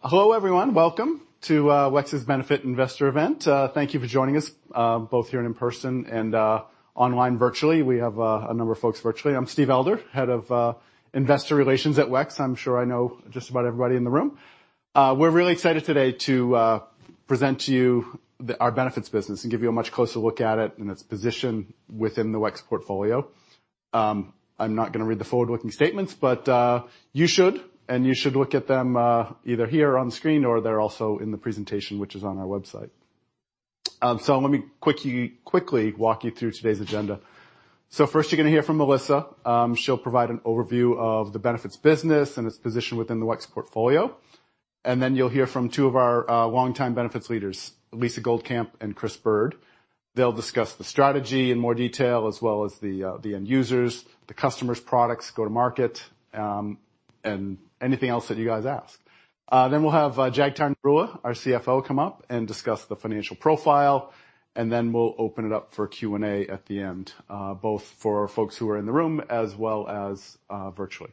Hello, everyone. Welcome to WEX's Benefit Investor event. Thank you for joining us, both here and in person and online virtually. We have a number of folks virtually. I'm Steve Elder, head of investor relations at WEX. I'm sure I know just about everybody in the room. We're really excited today to present to you our Benefits business and give you a much closer look at it and its position within the WEX portfolio. I'm not gonna read the forward-looking statements, but you should, and you should look at them, either here on screen or they're also in the presentation, which is on our website. Let me quickly walk you through today's agenda. First, you're gonna hear from Melissa. She'll provide an overview of the Benefits business and its position within the WEX portfolio. You'll hear from two of our longtime Benefits leaders, Lisa Goldkamp and Chris Byrd. They'll discuss the strategy in more detail, as well as the end users, the customers, products, go-to-market, and anything else that you guys ask. We'll have Jagtar Narula, our CFO, come up and discuss the financial profile, and then we'll open it up for Q&A at the end, both for folks who are in the room as well as virtually.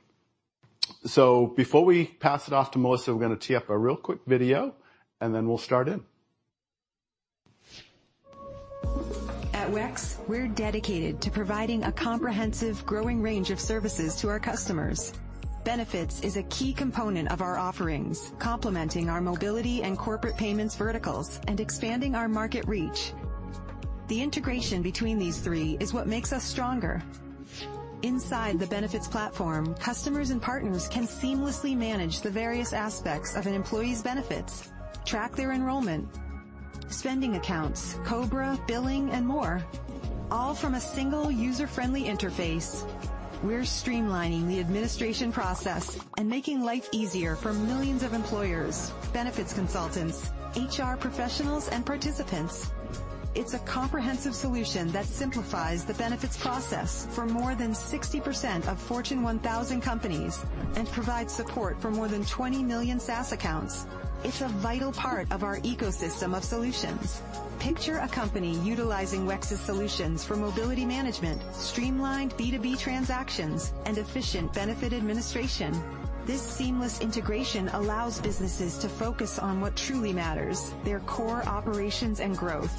Before we pass it off to Melissa, we're gonna tee up a real quick video, and then we'll start in. At WEX, we're dedicated to providing a comprehensive, growing range of services to our customers. Benefits is a key component of our offerings, complementing our mobility and corporate payments verticals and expanding our market reach. The integration between these three is what makes us stronger. Inside the Benefits platform, customers and partners can seamlessly manage the various aspects of an employee's benefits, track their enrollment, spending accounts, COBRA, billing, and more, all from a single, user-friendly interface. We're streamlining the administration process and making life easier for millions of employers, benefits consultants, HR professionals, and participants. It's a comprehensive solution that simplifies the benefits process for more than 60% of Fortune 1000 companies and provides support for more than 20 million SaaS accounts. It's a vital part of our ecosystem of solutions. Picture a company utilizing WEX's solutions for mobility management, streamlined B2B transactions, and efficient benefit administration. This seamless integration allows businesses to focus on what truly matters, their core operations and growth.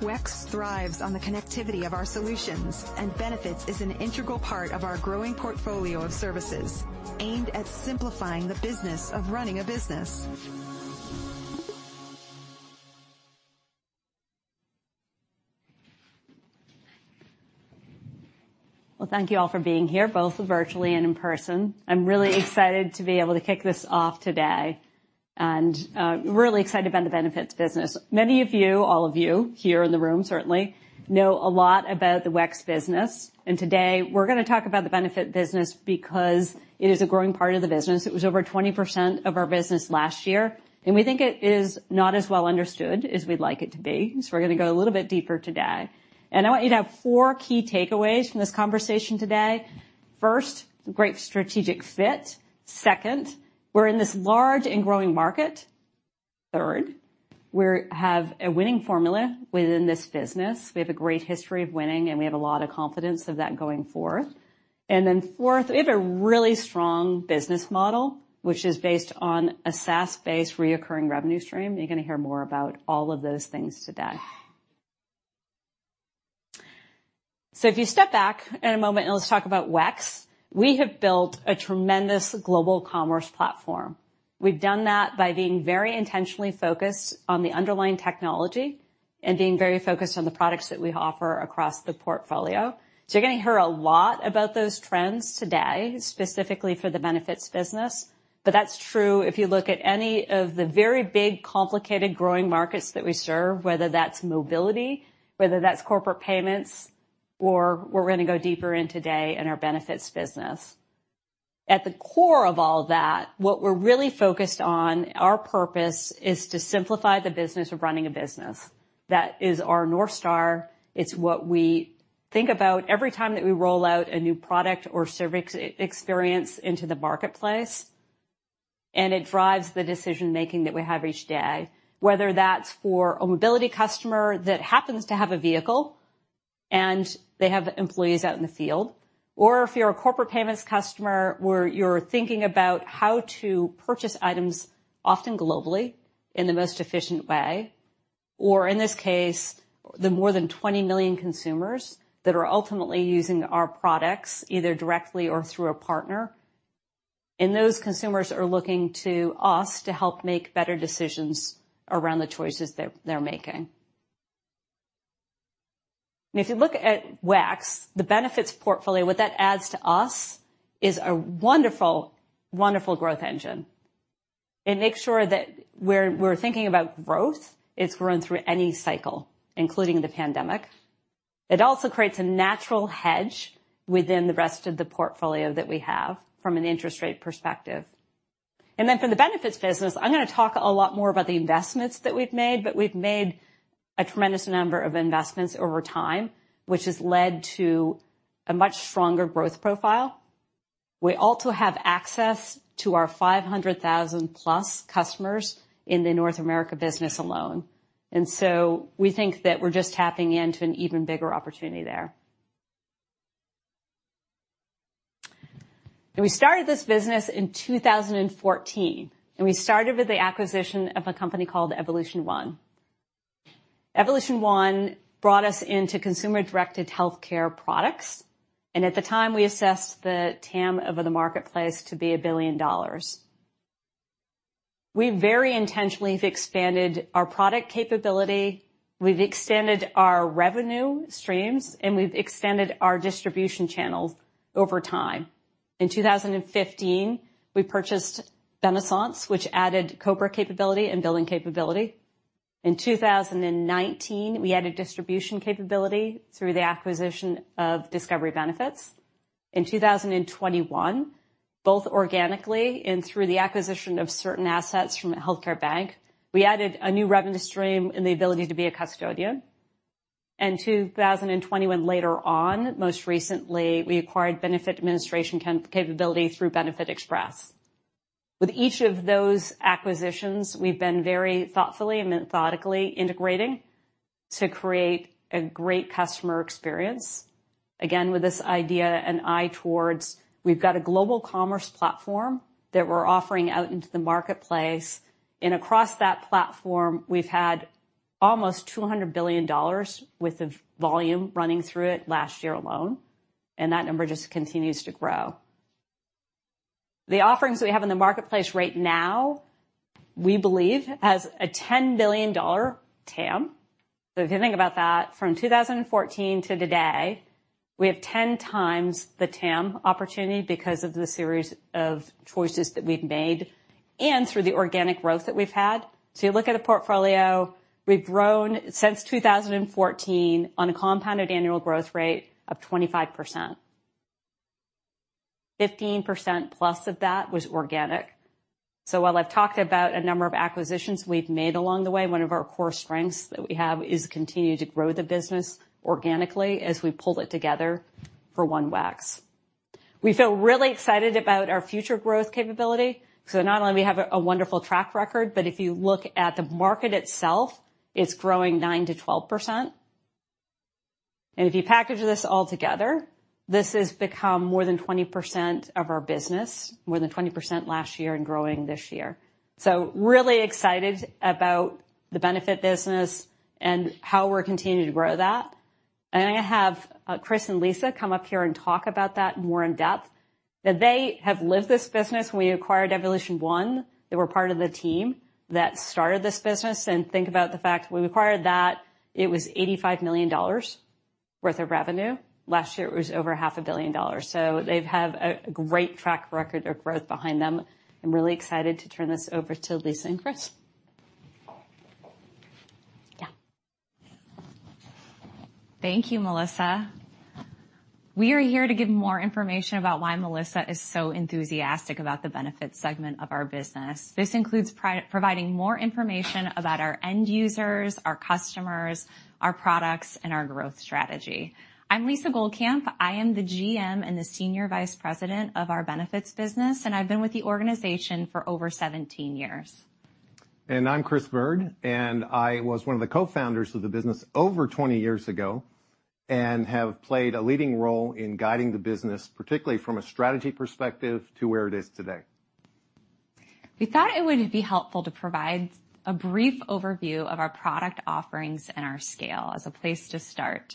WEX thrives on the connectivity of our solutions. Benefits is an integral part of our growing portfolio of services aimed at simplifying the business of running a business. Well, thank you all for being here, both virtually and in person. I'm really excited to be able to kick this off today, really excited about the Benefits business. Many of you, all of you here in the room, certainly know a lot about the WEX business. Today we're gonna talk about the Benefit business because it is a growing part of the business. It was over 20% of our business last year. We think it is not as well understood as we'd like it to be. We're gonna go a little bit deeper today. I want you to have four key takeaways from this conversation today. First, great strategic fit. Second, we're in this large and growing market. Third, we have a winning formula within this business. We have a great history of winning, and we have a lot of confidence of that going forth. Fourth, we have a really strong business model, which is based on a SaaS-based, recurring revenue stream. You're going to hear more about all of those things today. If you step back in a moment and let's talk about WEX, we have built a tremendous global commerce platform. We've done that by being very intentionally focused on the underlying technology and being very focused on the products that we offer across the portfolio. You're going to hear a lot about those trends today, specifically for the Benefits business. That's true if you look at any of the very big, complicated, growing markets that we serve, whether that's mobility, whether that's corporate payments, or we're going to go deeper in today in our Benefits business. At the core of all that, what we're really focused on, our purpose is to simplify the business of running a business. That is our North Star. It's what we think about every time that we roll out a new product or service e-experience into the marketplace, and it drives the decision-making that we have each day. Whether that's for a mobility customer that happens to have a vehicle and they have employees out in the field, or if you're a corporate payments customer, where you're thinking about how to purchase items, often globally, in the most efficient way, or in this case, the more than 20 million consumers that are ultimately using our products, either directly or through a partner. Those consumers are looking to us to help make better decisions around the choices they're making. If you look at WEX, the Benefits portfolio, what that adds to us is a wonderful growth engine. It makes sure that where we're thinking about growth, it's grown through any cycle, including the pandemic. It also creates a natural hedge within the rest of the portfolio that we have from an interest rate perspective. From the Benefits business, I'm gonna talk a lot more about the investments that we've made, but we've made a tremendous number of investments over time, which has led to a much stronger growth profile. We also have access to our 500,000-plus customers in the North America business alone, and so we think that we're just tapping into an even bigger opportunity there. We started this business in 2014, and we started with the acquisition of a company called Evolution1. Evolution1 brought us into consumer-directed healthcare products. At the time, we assessed the TAM of the marketplace to be $1 billion. We very intentionally have expanded our product capability, we've extended our revenue streams, and we've extended our distribution channels over time. In 2015, we purchased Benaissance, which added COBRA capability and billing capability. In 2019, we added distribution capability through the acquisition of Discovery Benefits. In 2021, both organically and through the acquisition of certain assets from a healthcare bank, we added a new revenue stream and the ability to be a custodian. In 2021, later on, most recently, we acquired benefit administration capability through Benefitexpress. With each of those acquisitions, we've been very thoughtfully and methodically integrating to create a great customer experience. Again, with this idea, an eye towards, we've got a global commerce platform that we're offering out into the marketplace, and across that platform, we've had almost $200 billion worth of volume running through it last year alone, and that number just continues to grow. The offerings we have in the marketplace right now, we believe, has a $10 billion TAM. If you think about that, from 2014 to today, we have 10 times the TAM opportunity because of the series of choices that we've made and through the organic growth that we've had. You look at a portfolio, we've grown since 2014 on a compounded annual growth rate of 25%. 15%+ of that was organic. While I've talked about a number of acquisitions we've made along the way, one of our core strengths that we have is continuing to grow the business organically as we pull it together for one WEX. We feel really excited about our future growth capability, not only we have a wonderful track record, but if you look at the market itself, it's growing 9%-12%. If you package this all together, this has become more than 20% of our business, more than 20% last year and growing this year. Really excited about the benefit business and how we're continuing to grow that. I'm gonna have Chris and Lisa come up here and talk about that more in depth, that they have lived this business. When we acquired Evolution1, they were part of the team that started this business. Think about the fact when we acquired that, it was $85 million worth of revenue. Last year, it was over half a billion dollars. They've have a great track record of growth behind them. I'm really excited to turn this over to Lisa and Chris. Yeah. Thank you, Melissa. We are here to give more information about why Melissa is so enthusiastic about the benefits segment of our business. This includes providing more information about our end users, our customers, our products, and our growth strategy. I'm Lisa Goldkamp. I am the GM and the Senior Vice President of our benefits business, I've been with the organization for over 17 years. I'm Chris Byrd, and I was one of the cofounders of the business over 20 years ago and have played a leading role in guiding the business, particularly from a strategy perspective, to where it is today. We thought it would be helpful to provide a brief overview of our product offerings and our scale as a place to start.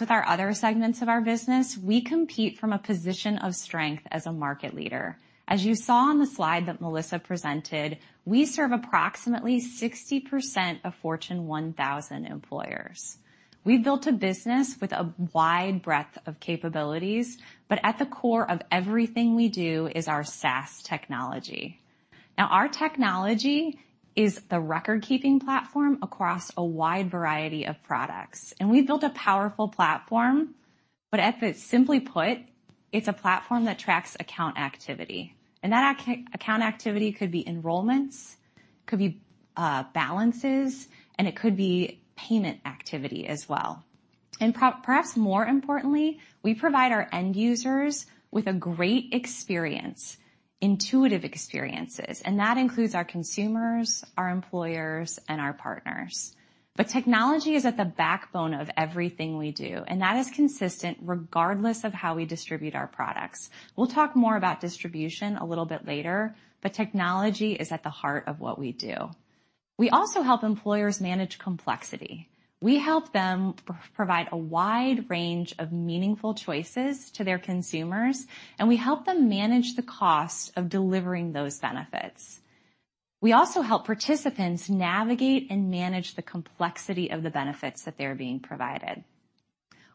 With our other segments of our business, we compete from a position of strength as a market leader. You saw on the slide that Melissa presented, we serve approximately 60% of Fortune 1000 employers. We've built a business with a wide breadth of capabilities, but at the core of everything we do is our SaaS technology. Our technology is the record-keeping platform across a wide variety of products. We've built a powerful platform. Simply put, it's a platform that tracks account activity, and that account activity could be enrollments, could be balances, and it could be payment activity as well. Perhaps more importantly, we provide our end users with a great experience, intuitive experiences, and that includes our consumers, our employers, and our partners. Technology is at the backbone of everything we do, and that is consistent regardless of how we distribute our products. We'll talk more about distribution a little bit later, but technology is at the heart of what we do. We also help employers manage complexity. We help them provide a wide range of meaningful choices to their consumers, and we help them manage the cost of delivering those benefits. We also help participants navigate and manage the complexity of the benefits that they're being provided.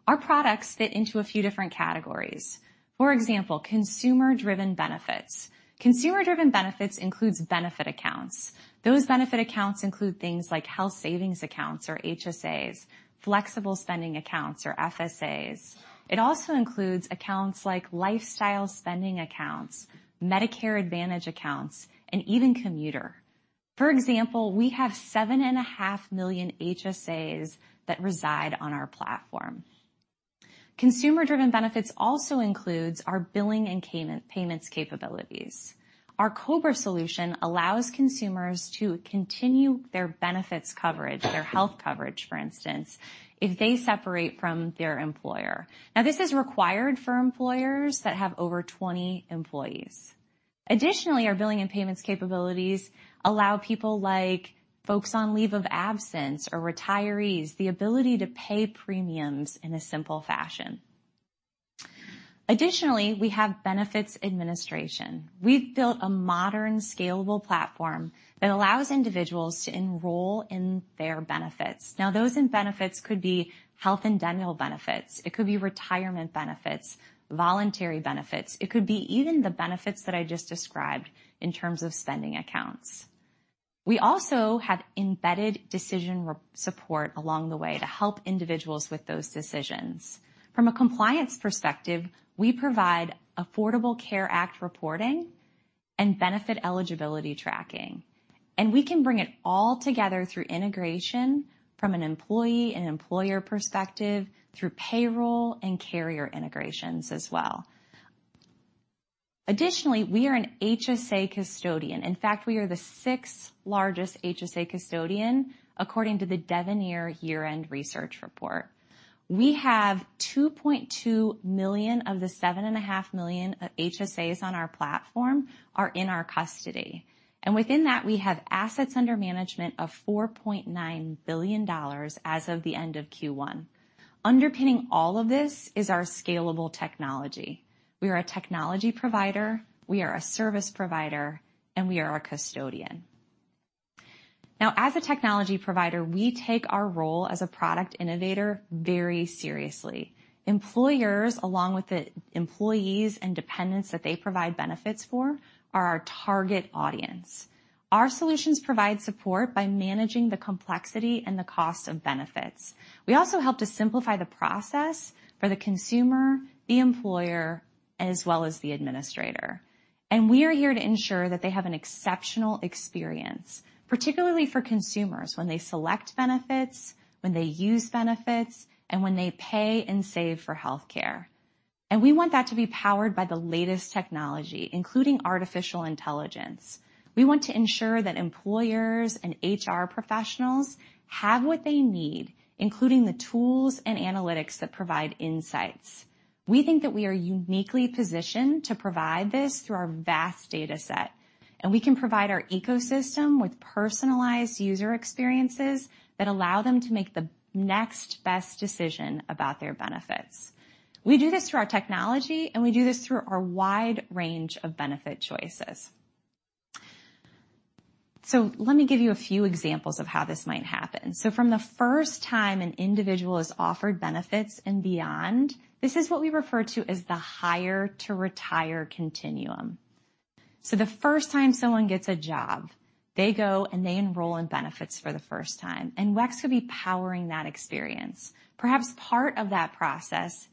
Our products fit into a few different categories. For example, consumer-driven benefits. Consumer-driven benefits includes benefit accounts. Those benefit accounts include things like health savings accounts or HSAs, flexible spending accounts or FSAs. It also includes accounts like lifestyle spending accounts, Medicare Advantage accounts, and even commuter. For example, we have 7.5 million HSAs that reside on our platform. Consumer-driven benefits also includes our billing and payments capabilities. Our COBRA solution allows consumers to continue their benefits coverage, their health coverage, for instance, if they separate from their employer. This is required for employers that have over 20 employees. Our billing and payments capabilities allow people like folks on leave of absence or retirees, the ability to pay premiums in a simple fashion. We have benefits administration. We've built a modern, scalable platform that allows individuals to enroll in their benefits. Those in benefits could be health and dental benefits, it could be retirement benefits, voluntary benefits. It could be even the benefits that I just described in terms of spending accounts. We also have embedded decision support along the way to help individuals with those decisions. From a compliance perspective, we provide Affordable Care Act reporting and benefit eligibility tracking, and we can bring it all together through integration from an employee and employer perspective, through payroll and carrier integrations as well. Additionally, we are an HSA custodian. In fact, we are the 6th largest HSA custodian, according to the Devenir Year-End Research Report. We have $2.2 million of the $7.5 million HSAs on our platform are in our custody, and within that, we have assets under management of $4.9 billion as of the end of Q1. Underpinning all of this is our scalable technology. We are a technology provider, we are a service provider, and we are a custodian. Now, as a technology provider, we take our role as a product innovator very seriously. Employers, along with the employees and dependents that they provide benefits for, are our target audience. Our solutions provide support by managing the complexity and the cost of benefits. We also help to simplify the process for the consumer, the employer, as well as the administrator. We are here to ensure that they have an exceptional experience, particularly for consumers, when they select benefits, when they use benefits, and when they pay and save for healthcare. We want that to be powered by the latest technology, including artificial intelligence. We want to ensure that employers and HR professionals have what they need, including the tools and analytics that provide insights. We think that we are uniquely positioned to provide this through our vast data set, and we can provide our ecosystem with personalized user experiences that allow them to make the next best decision about their benefits. We do this through our technology, and we do this through our wide range of benefit choices. Let me give you a few examples of how this might happen. From the first time an individual is offered benefits and beyond, this is what we refer to as the hire-to-retire continuum. The first time someone gets a job, they go, and they enroll in benefits for the first time, and WEX could be powering that experience. Perhaps part of that process,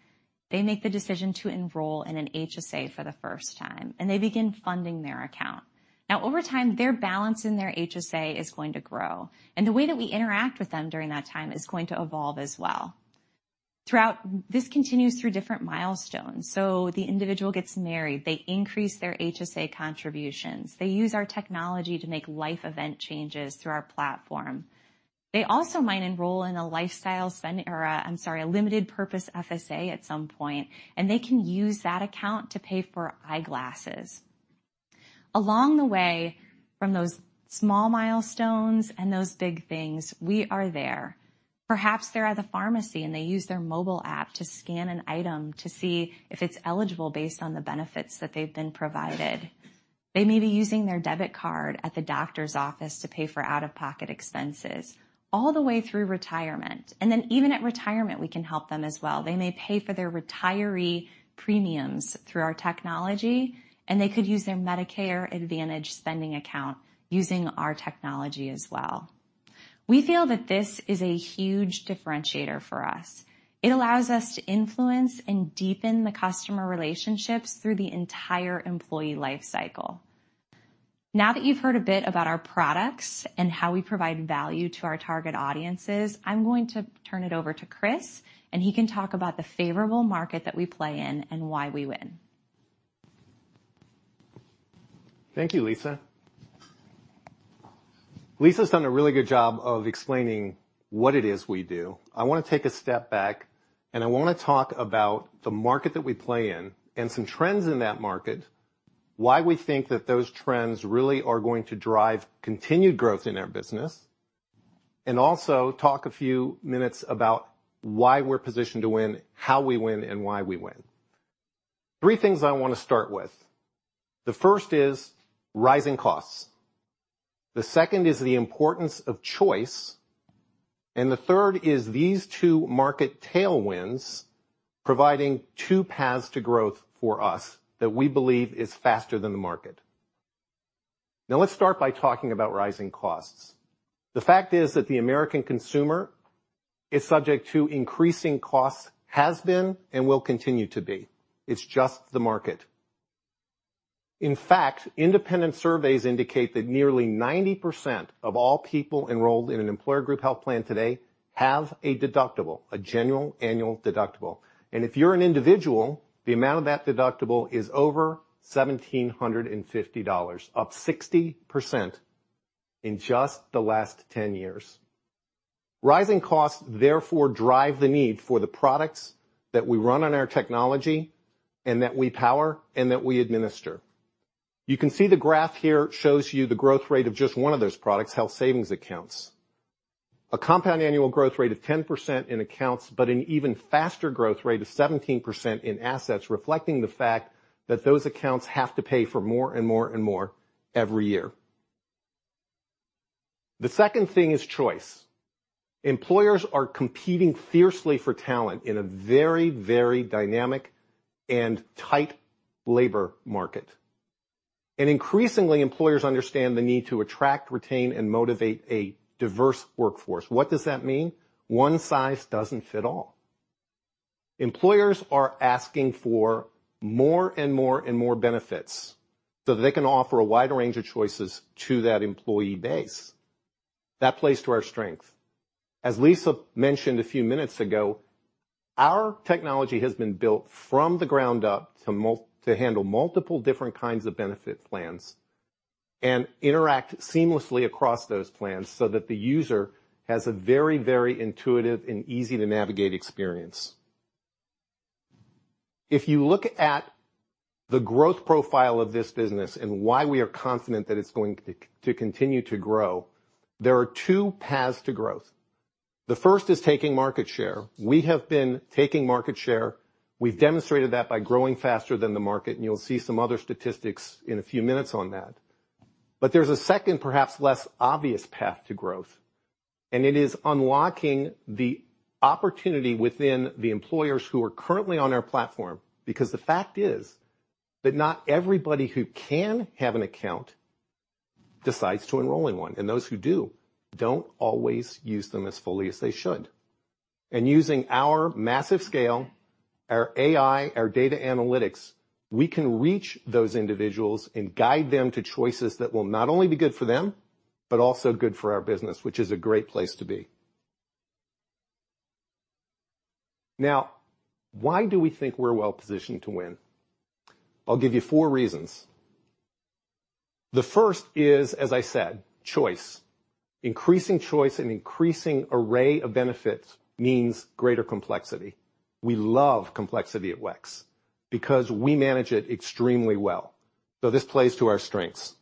they make the decision to enroll in an HSA for the first time, and they begin funding their account. Over time, their balance in their HSA is going to grow, and the way that we interact with them during that time is going to evolve as well. This continues through different milestones. The individual gets married, they increase their HSA contributions. They use our technology to make life event changes through our platform. They also might enroll in a lifestyle spend, or, I'm sorry, a limited purpose FSA at some point, and they can use that account to pay for eyeglasses. Along the way, from those small milestones and those big things, we are there. Perhaps they're at the pharmacy, and they use their mobile app to scan an item to see if it's eligible based on the benefits that they've been provided. They may be using their debit card at the doctor's office to pay for out-of-pocket expenses all the way through retirement, and then even at retirement, we can help them as well. They may pay for their retiree premiums through our technology, and they could use their Medicare Advantage spending account using our technology as well. We feel that this is a huge differentiator for us. It allows us to influence and deepen the customer relationships through the entire employee life cycle. Now that you've heard a bit about our products and how we provide value to our target audiences, I'm going to turn it over to Chris, and he can talk about the favorable market that we play in and why we win. Thank you, Lisa. Lisa's done a really good job of explaining what it is we do. I want to take a step back. I want to talk about the market that we play in and some trends in that market, why we think that those trends really are going to drive continued growth in our business, and also talk a few minutes about why we're positioned to win, how we win, and why we win. Three things I want to start with. The first is rising costs, the second is the importance of choice, and the third is these two market tailwinds providing two paths to growth for us that we believe is faster than the market. Let's start by talking about rising costs. The fact is that the American consumer is subject to increasing costs, has been, and will continue to be. It's just the market. In fact, independent surveys indicate that nearly 90% of all people enrolled in an employer group health plan today have a deductible, a general annual deductible. If you're an individual, the amount of that deductible is over $1,750, up 60% in just the last 10 years. Rising costs therefore drive the need for the products that we run on our technology and that we power and that we administer. You can see the graph here shows you the growth rate of just one of those products, health savings accounts. A compound annual growth rate of 10% in accounts, but an even faster growth rate of 17% in assets, reflecting the fact that those accounts have to pay for more and more and more every year. The second thing is choice. Employers are competing fiercely for talent in a very dynamic and tight labor market. Increasingly, employers understand the need to attract, retain, and motivate a diverse workforce. What does that mean? One size doesn't fit all. Employers are asking for more and more benefits so that they can offer a wider range of choices to that employee base. That plays to our strength. As Lisa mentioned a few minutes ago, our technology has been built from the ground up to handle multiple different kinds of benefit plans and interact seamlessly across those plans so that the user has a very intuitive and easy-to-navigate experience. If you look at the growth profile of this business and why we are confident that it's going to continue to grow, there are two paths to growth. The first is taking market share. We have been taking market share. We've demonstrated that by growing faster than the market. You'll see some other statistics in a few minutes on that. There's a second, perhaps less obvious path to growth, and it is unlocking the opportunity within the employers who are currently on our platform. The fact is that not everybody who can have an account decides to enroll in one, and those who do, don't always use them as fully as they should. Using our massive scale, our AI, our data analytics, we can reach those individuals and guide them to choices that will not only be good for them, but also good for our business, which is a great place to be. Why do we think we're well positioned to win? I'll give you four reasons. The first is, as I said, choice. Increasing choice and increasing array of benefits means greater complexity. We love complexity at WEX because we manage it extremely well, this plays to our strengths.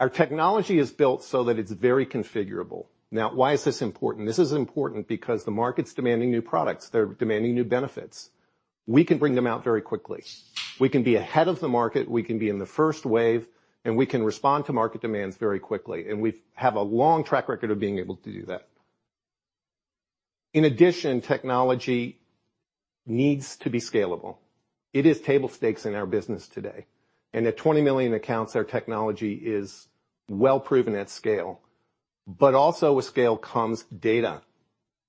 Our technology is built so that it's very configurable. Why is this important? This is important because the market's demanding new products. They're demanding new benefits. We can bring them out very quickly. We can be ahead of the market, we can be in the first wave, and we can respond to market demands very quickly, and we've have a long track record of being able to do that. In addition, technology needs to be scalable. It is table stakes in our business today, at 20 million accounts, our technology is well proven at scale. Also with scale comes data,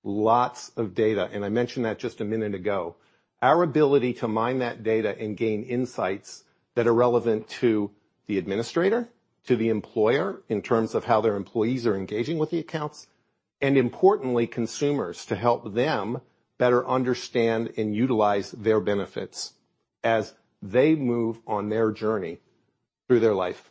lots of data, I mentioned that just a minute ago. Our ability to mine that data and gain insights that are relevant to the administrator, to the employer, in terms of how their employees are engaging with the accounts, and importantly, consumers, to help them better understand and utilize their benefits as they move on their journey through their life.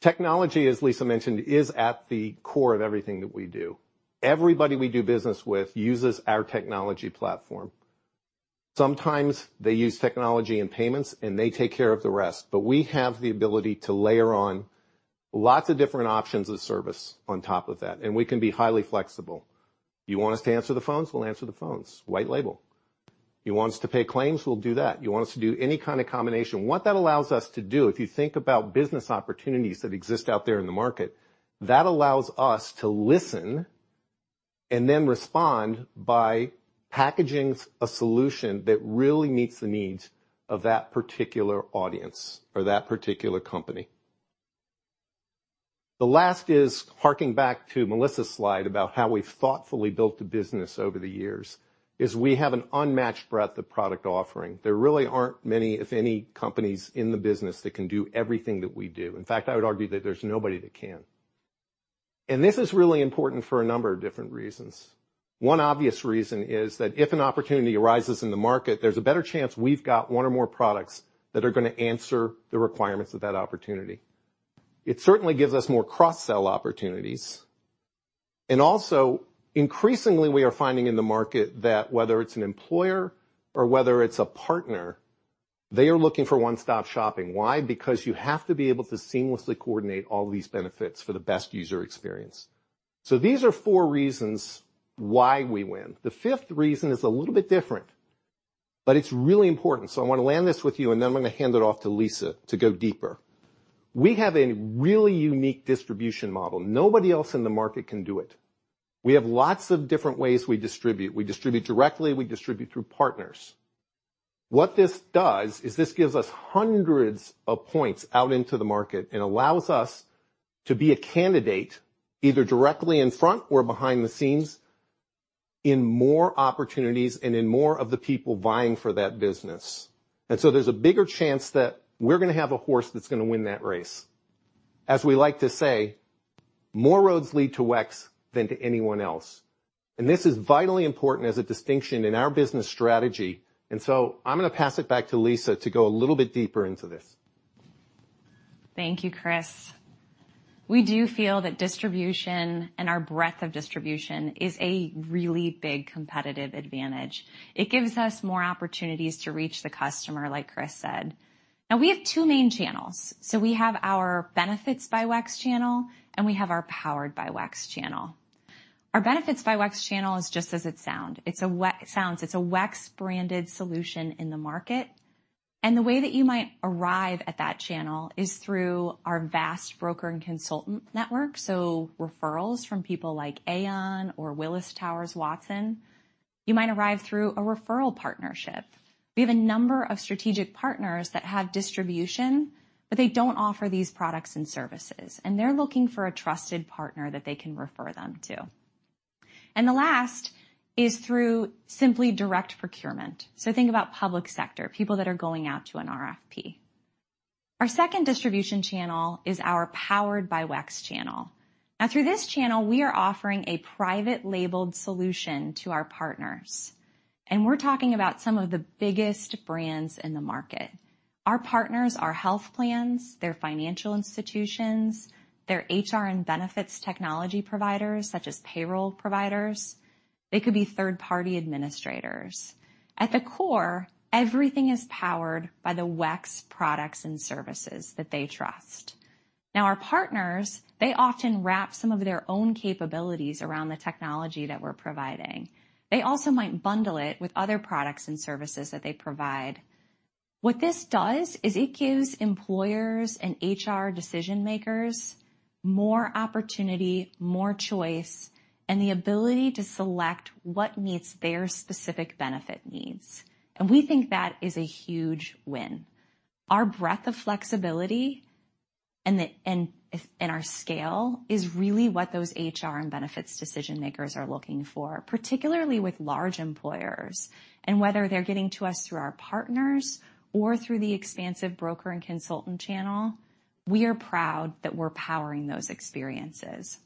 Technology, as Lisa mentioned, is at the core of everything that we do. Everybody we do business with uses our technology platform. Sometimes they use technology and payments, and they take care of the rest, but we have the ability to layer on lots of different options of service on top of that, and we can be highly flexible. You want us to answer the phones? We'll answer the phones, white label. You want us to pay claims? We'll do that. You want us to do any kind of combination. What that allows us to do, if you think about business opportunities that exist out there in the market, that allows us to listen and then respond by packaging a solution that really meets the needs of that particular audience or that particular company. The last is harking back to Melissa's slide about how we've thoughtfully built the business over the years, is we have an unmatched breadth of product offering. There really aren't many, if any, companies in the business that can do everything that we do. In fact, I would argue that there's nobody that can. This is really important for a number of different reasons. One obvious reason is that if an opportunity arises in the market, there's a better chance we've got one or more products that are gonna answer the requirements of that opportunity. It certainly gives us more cross-sell opportunities. Also, increasingly, we are finding in the market that whether it's an employer or whether it's a partner, they are looking for one-stop shopping. Why? You have to be able to seamlessly coordinate all these benefits for the best user experience. These are four reasons why we win. The fifth reason is a little bit different, but it's really important. I want to land this with you. I'm going to hand it off to Lisa to go deeper. We have a really unique distribution model. Nobody else in the market can do it. We have lots of different ways we distribute. We distribute directly, we distribute through partners. What this does is this gives us hundreds of points out into the market and allows us to be a candidate, either directly in front or behind the scenes, in more opportunities and in more of the people vying for that business. There's a bigger chance that we're gonna have a horse that's gonna win that race. As we like to say, more roads lead to WEX than to anyone else. This is vitally important as a distinction in our business strategy, and so I'm gonna pass it back to Lisa to go a little bit deeper into this. Thank you, Chris. We do feel that distribution and our breadth of distribution is a really big competitive advantage. It gives us more opportunities to reach the customer, like Chris said. We have two main channels. We have our Benefits by WEX channel, and we have our Powered by WEX channel. Our Benefits by WEX channel is just as it sounds. It's a WEX-branded solution in the market, and the way that you might arrive at that channel is through our vast broker and consultant network, so referrals from people like Aon or Willis Towers Watson. You might arrive through a referral partnership. We have a number of strategic partners that have distribution, but they don't offer these products and services, and they're looking for a trusted partner that they can refer them to. The last is through simply direct procurement, so think about public sector, people that are going out to an RFP. Our second distribution channel is our Powered by WEX channel. Through this channel, we are offering a private-labeled solution to our partners, and we're talking about some of the biggest brands in the market. Our partners are health plans, they're financial institutions, they're HR and benefits technology providers, such as payroll providers. They could be third-party administrators. At the core, everything is powered by the WEX products and services that they trust. Our partners, they often wrap some of their own capabilities around the technology that we're providing. They also might bundle it with other products and services that they provide. What this does is it gives employers and HR decision-makers more opportunity, more choice, and the ability to select what meets their specific benefit needs, and we think that is a huge win. Our breadth of flexibility and our scale is really what those HR and benefits decision makers are looking for, particularly with large employers. Whether they're getting to us through our partners or through the expansive broker and consultant channel, we are proud that we're powering those experiences.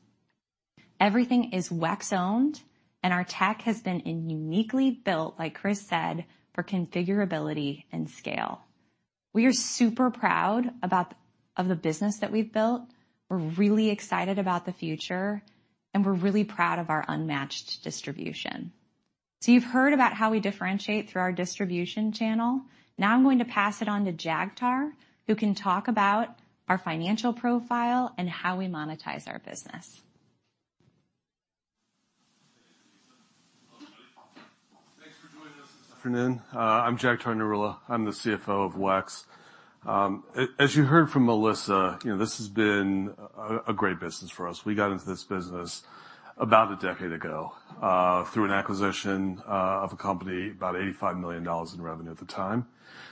Everything is WEX-owned, and our tech has been uniquely built, like Chris said, for configurability and scale. We are super proud of the business that we've built. We're really excited about the future, and we're really proud of our unmatched distribution. You've heard about how we differentiate through our distribution channel. Now I'm going to pass it on to Jagtar, who can talk about our financial profile and how we monetize our business. Thanks for joining us this afternoon. I'm Jagtar Narula. I'm the CFO of WEX. As you heard from Melissa, you know, this has been a great business for us. We got into this business about a decade ago, through an acquisition, of a company, about $85 million in revenue at the time.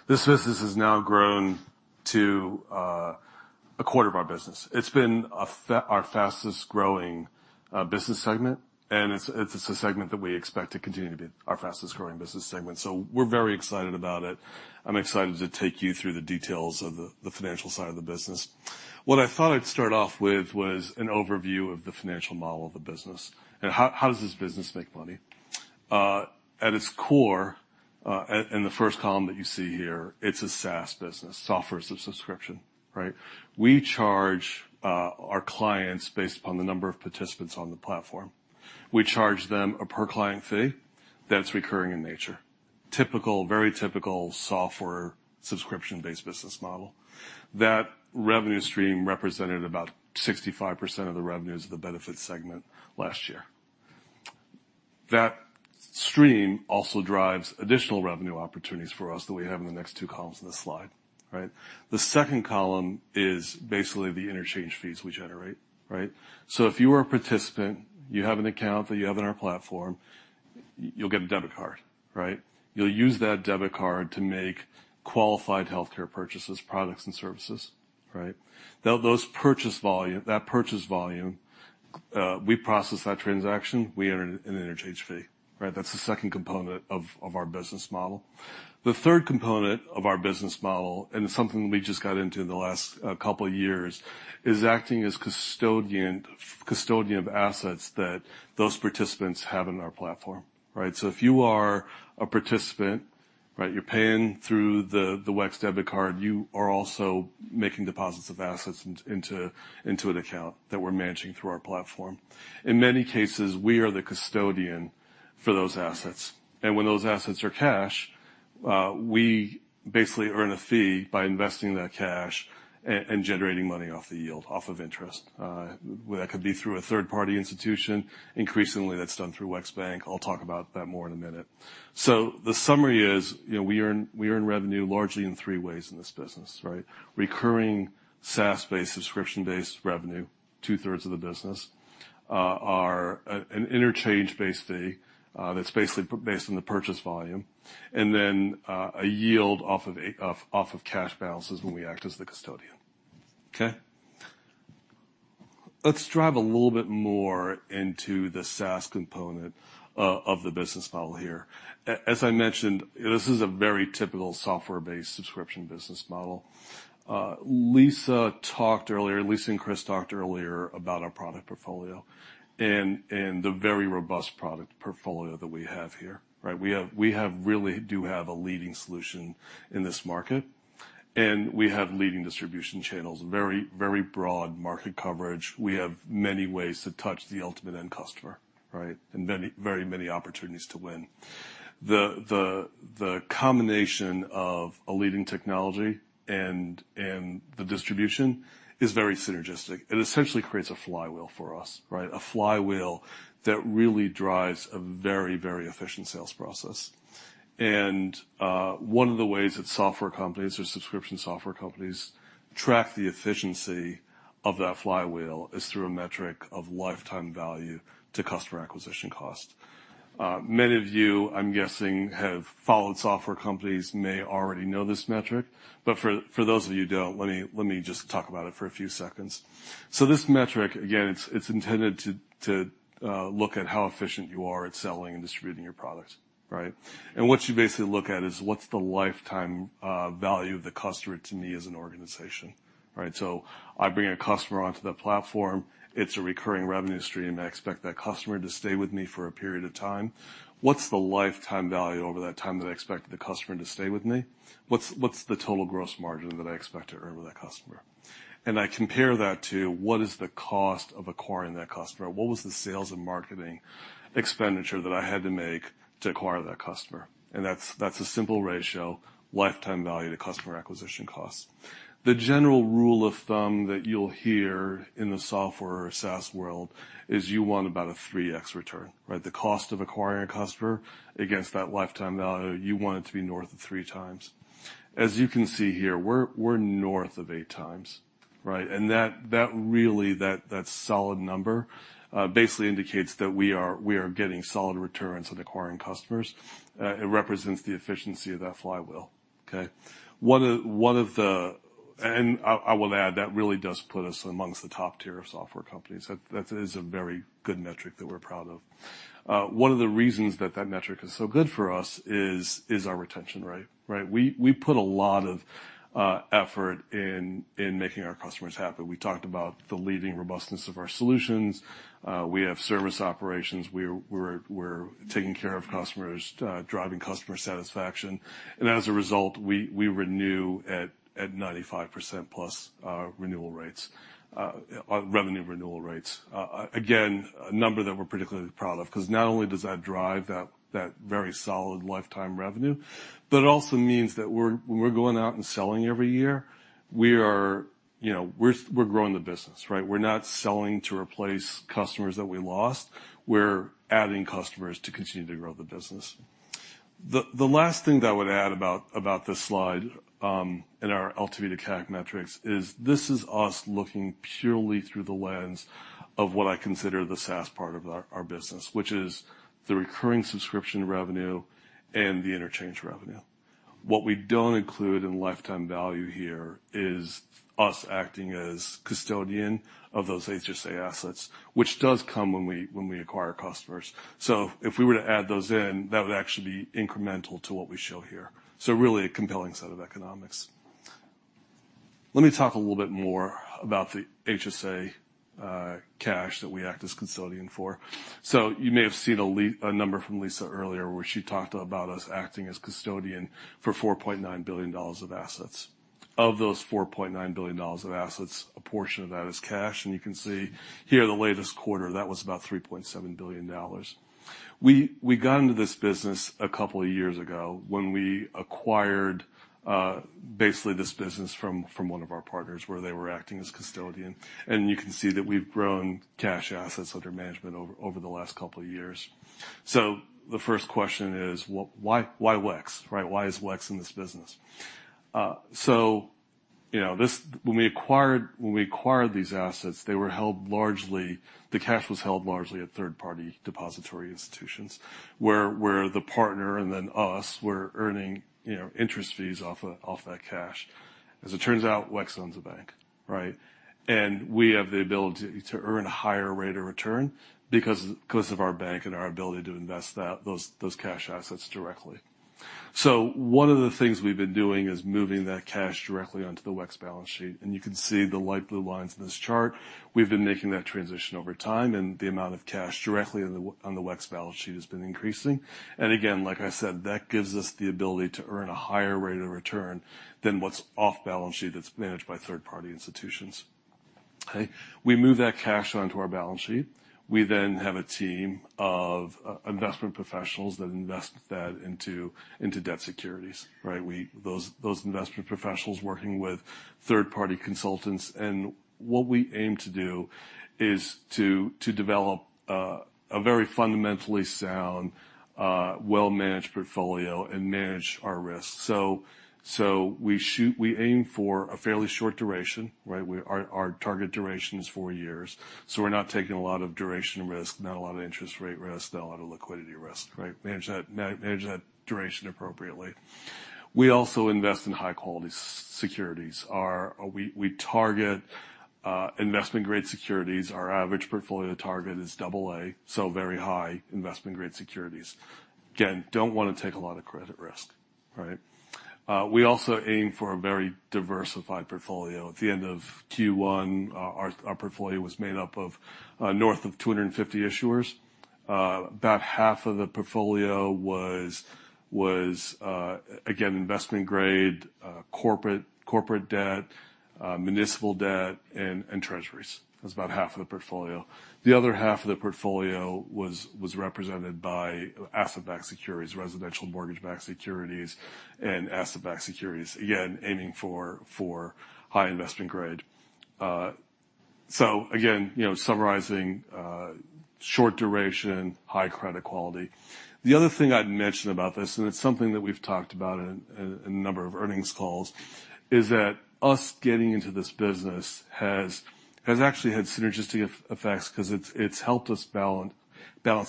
This business has now grown to, a quarter of our business. It's been our fastest-growing, business segment, and it's a segment that we expect to continue to be our fastest-growing business segment, so we're very excited about it. I'm excited to take you through the details of the financial side of the business. What I thought I'd start off with was an overview of the financial model of the business, and how does this business make money? At its core, in the first column that you see here, it's a SaaS business, software as a subscription, right? We charge our clients based upon the number of participants on the platform. We charge them a per-client fee that's recurring in nature. Typical, very typical software, subscription-based business model. That revenue stream represented about 65% of the revenues of the benefit segment last year. That stream also drives additional revenue opportunities for us that we have in the next two columns in this slide, right? The second column is basically the interchange fees we generate, right? If you are a participant, you have an account that you have in our platform, you'll get a debit card, right? You'll use that debit card to make qualified healthcare purchases, products, and services, right? That purchase volume, we process that transaction, we earn an interchange fee, right? That's the second component of our business model. The third component of our business model, and it's something we just got into in the last 2 years, is acting as custodian of assets that those participants have in our platform, right? If you are a participant, right, you're paying through the WEX debit card, you are also making deposits of assets into an account that we're managing through our platform. In many cases, we are the custodian for those assets, and when those assets are cash, we basically earn a fee by investing that cash and generating money off the yield, off of interest. That could be through a third-party institution. Increasingly, that's done through WEX Bank. I'll talk about that more in a minute. The summary is, you know, we earn revenue largely in three ways in this business, right? Recurring SaaS-based, subscription-based revenue, two-thirds of the business, are an interchange-based fee, that's basically based on the purchase volume, and then, a yield off of cash balances when we act as the custodian. Okay? Let's dive a little bit more into the SaaS component of the business model here. As I mentioned, this is a very typical software-based subscription business model. Lisa and Chris talked earlier about our product portfolio and the very robust product portfolio that we have here, right? We have really do have a leading solution in this market, and we have leading distribution channels, very broad market coverage. We have many ways to touch the ultimate end customer, right, and very many opportunities to win. The combination of a leading technology and the distribution is very synergistic. It essentially creates a flywheel for us, right? A flywheel that really drives a very, very efficient sales process. One of the ways that software companies or subscription software companies track the efficiency of that flywheel is through a metric of lifetime value to customer acquisition cost. Many of you, I'm guessing, have followed software companies, may already know this metric, but for those of you who don't, let me just talk about it for a few seconds. This metric, again, it's intended to look at how efficient you are at selling and distributing your products, right? What you basically look at is: What's the lifetime value of the customer to me as an organization, right? I bring a customer onto that platform. It's a recurring revenue stream, and I expect that customer to stay with me for a period of time. What's the lifetime value over that time that I expect the customer to stay with me? What's the total gross margin that I expect to earn with that customer? I compare that to what is the cost of acquiring that customer, or what was the sales and marketing expenditure that I had to make to acquire that customer? That's a simple ratio, lifetime value to customer acquisition cost. The general rule of thumb that you'll hear in the software or SaaS world is you want about a 3x return, right? The cost of acquiring a customer against that lifetime value, you want it to be north of 3x. As you can see here, we're north of 8x, right? That really, that solid number, basically indicates that we are getting solid returns on acquiring customers. It represents the efficiency of that flywheel, okay? I will add, that really does put us amongst the top tier of software companies. That is a very good metric that we're proud of. One of the reasons that that metric is so good for us is our retention rate, right? We put a lot of effort in making our customers happy. We talked about the leading robustness of our solutions. We have service operations. We're taking care of customers, driving customer satisfaction. As a result, we renew at 95% plus our renewal rates, our revenue renewal rates. Again, a number that we're particularly proud of, 'cause not only does that drive that very solid lifetime revenue, but it also means that when we're going out and selling every year, we are, you know, we're growing the business, right? We're not selling to replace customers that we lost. We're adding customers to continue to grow the business. The last thing that I would add about this slide, in our LTV to CAC metrics, is this is us looking purely through the lens of what I consider the SaaS part of our business, which is the recurring subscription revenue and the interchange revenue. What we don't include in lifetime value here is us acting as custodian of those HSA assets, which does come when we acquire customers. If we were to add those in, that would actually be incremental to what we show here. Really a compelling set of economics. Let me talk a little bit more about the HSA cash that we act as custodian for. You may have seen a number from Lisa earlier, where she talked about us acting as custodian for $4.9 billion of assets. Of those $4.9 billion of assets, a portion of that is cash, and you can see here, the latest quarter, that was about $3.7 billion. We got into this business a couple of years ago when we acquired basically this business from one of our partners, where they were acting as custodian. You can see that we've grown cash assets under management over the last couple of years. The first question is: why WEX? Right, why is WEX in this business? You know, this, when we acquired these assets, the cash was held largely at third-party depository institutions, where the partner and then us were earning, you know, interest fees off that cash. As it turns out, WEX owns a bank, right? We have the ability to earn a higher rate of return because of our bank and our ability to invest those cash assets directly. One of the things we've been doing is moving that cash directly onto the WEX balance sheet. You can see the light blue lines in this chart. We've been making that transition over time. The amount of cash directly on the WEX balance sheet has been increasing. Again, like I said, that gives us the ability to earn a higher rate of return than what's off balance sheet that's managed by third-party institutions. We move that cash onto our balance sheet. We have a team of investment professionals that invest that into debt securities, right? Those investment professionals working with third-party consultants. What we aim to do is to develop a very fundamentally sound, well-managed portfolio and manage our risks. We aim for a fairly short duration, right? We, our target duration is four years. We're not taking a lot of duration risk, not a lot of interest rate risk, not a lot of liquidity risk, right? Manage that duration appropriately. We also invest in high-quality securities. We target investment-grade securities. Our average portfolio target is AA, very high investment-grade securities. Again, don't want to take a lot of credit risk, right? We also aim for a very diversified portfolio. At the end of Q1, our portfolio was made up of north of 250 issuers. About half of the portfolio was again, investment-grade corporate debt, municipal debt, and treasuries. That's about half of the portfolio. The other half of the portfolio was represented by asset-backed securities, residential mortgage-backed securities, and asset-backed securities. Again, aiming for high investment grade. Again, you know, summarizing, short duration, high credit quality. The other thing I'd mention about this, and it's something that we've talked about in a number of earnings calls, is that us getting into this business has actually had synergistic effects, 'cause it's helped us balance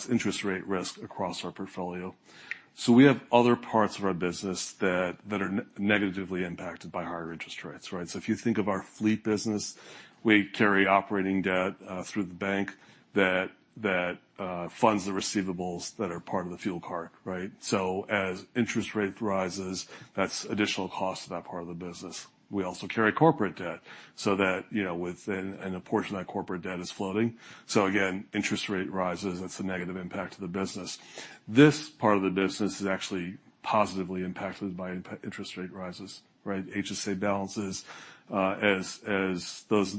interest rate risk across our portfolio. We have other parts of our business that are negatively impacted by higher interest rates, right? If you think of our fleet business, we carry operating debt through the Bank, that funds the receivables that are part of the fuel card, right? As interest rate rises, that's additional cost to that part of the business. We also carry corporate debt, that, you know, a portion of that corporate debt is floating. Again, interest rate rises, that's a negative impact to the business. This part of the business is actually positively impacted by interest rate rises, right? HSA balances, as those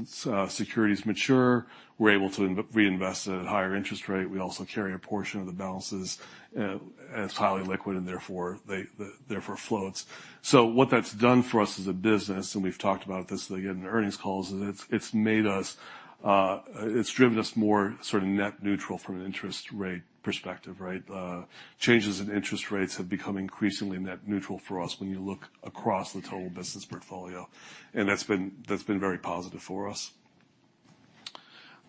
securities mature, we're able to reinvest at a higher interest rate. We also carry a portion of the balances, and it's highly liquid, and therefore, they therefore floats. What that's done for us as a business, and we've talked about this again, in earnings calls, is it's driven us more sort of net neutral from an interest rate perspective, right? Changes in interest rates have become increasingly net neutral for us when you look across the total business portfolio, and that's been very positive for us.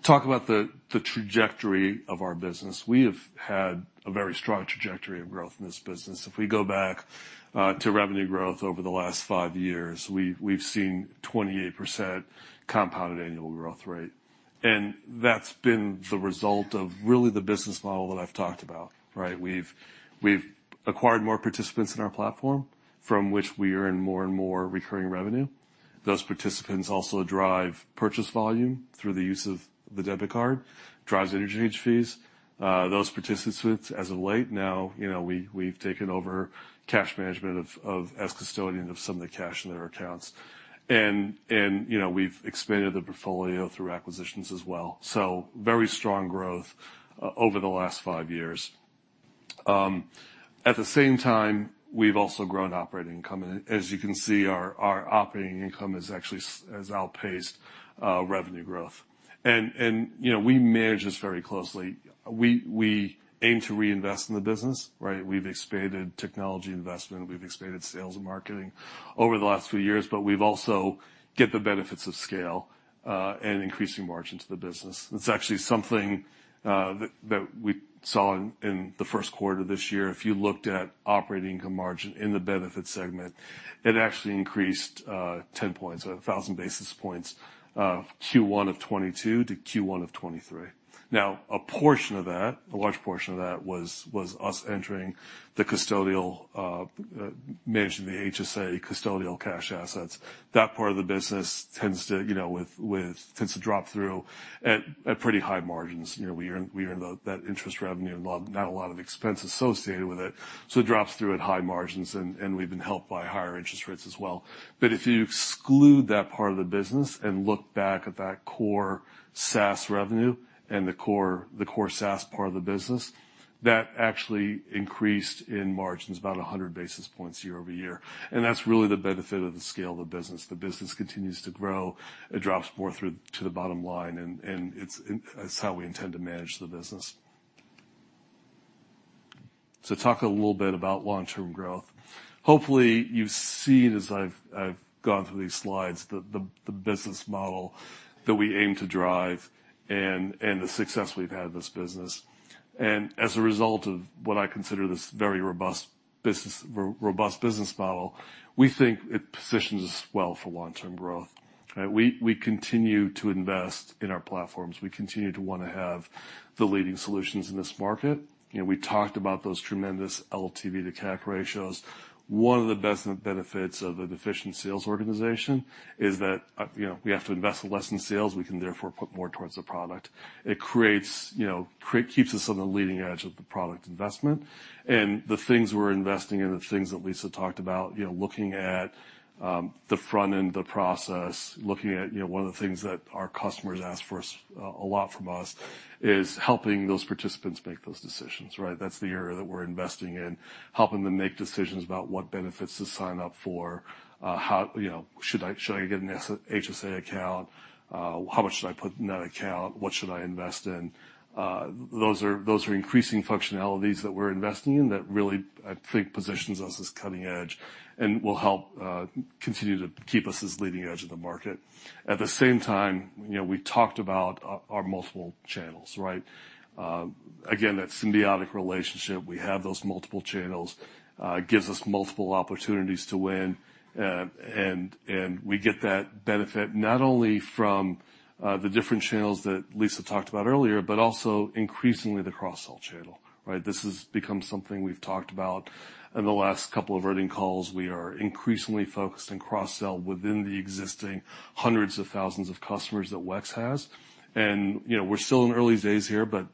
Talk about the trajectory of our business. We have had a very strong trajectory of growth in this business. If we go back to revenue growth over the last five years, we've seen 28% compounded annual growth rate, and that's been the result of really the business model that I've talked about, right? We've acquired more participants in our platform, from which we earn more and more recurring revenue. Those participants also drive purchase volume through the use of the debit card, drives interchange fees. Those participants, as of late, now, you know, we've taken over cash management of, as custodian of some of the cash in their accounts. You know, we've expanded the portfolio through acquisitions as well. Very strong growth over the last five years. At the same time, we've also grown operating income, and as you can see, our operating income is actually has outpaced revenue growth. You know, we manage this very closely. We aim to reinvest in the business, right? We've expanded technology investment, we've expanded sales and marketing over the last few years, but we've also get the benefits of scale and increasing margins to the business. That's actually something that we saw in the first quarter this year. If you looked at operating income margin in the benefits segment, it actually increased 10 points, or 1,000 basis points, Q1 2022 to Q1 2023. Now, a portion of that, a large portion of that, was us entering the custodial managing the HSA custodial cash assets. That part of the business tends to, you know, tends to drop through at pretty high margins. You know, we earn that interest revenue, and not a lot of expense associated with it, so it drops through at high margins, and we've been helped by higher interest rates as well. If you exclude that part of the business and look back at that core SaaS revenue and the core SaaS part of the business, that actually increased in margins about 100 basis points year-over-year. That's really the benefit of the scale of the business. The business continues to grow. It drops more through to the bottom line, and it's, and that's how we intend to manage the business. Talk a little bit about long-term growth. Hopefully, you've seen, as I've gone through these slides, the business model that we aim to drive and the success we've had in this business. As a result of what I consider this very robust business model, we think it positions us well for long-term growth, right? We continue to invest in our platforms. We continue to want to have the leading solutions in this market. You know, we talked about those tremendous LTV to CAC ratios. One of the best benefits of an efficient sales organization is that, you know, we have to invest in less in sales. We can therefore put more towards the product. It creates, you know, keeps us on the leading edge of the product investment. The things we're investing in, the things that Lisa talked about, you know, looking at the front end of the process, looking at, you know, one of the things that our customers ask for us a lot from us, is helping those participants make those decisions, right? That's the area that we're investing in, helping them make decisions about what benefits to sign up for. You know, should I get an HSA account? How much should I put in that account? What should I invest in? Those are increasing functionalities that we're investing in that really, I think, positions us as cutting-edge and will help continue to keep us as leading edge of the market. At the same time, you know, we talked about our multiple channels, right? Again, that symbiotic relationship, we have those multiple channels, gives us multiple opportunities to win. We get that benefit not only from the different channels that Lisa talked about earlier, but also increasingly the cross-sell channel, right? This has become something we've talked about in the last couple of earning calls. We are increasingly focused on cross-sell within the existing hundreds of thousands of customers that WEX has. You know, we're still in the early days here, but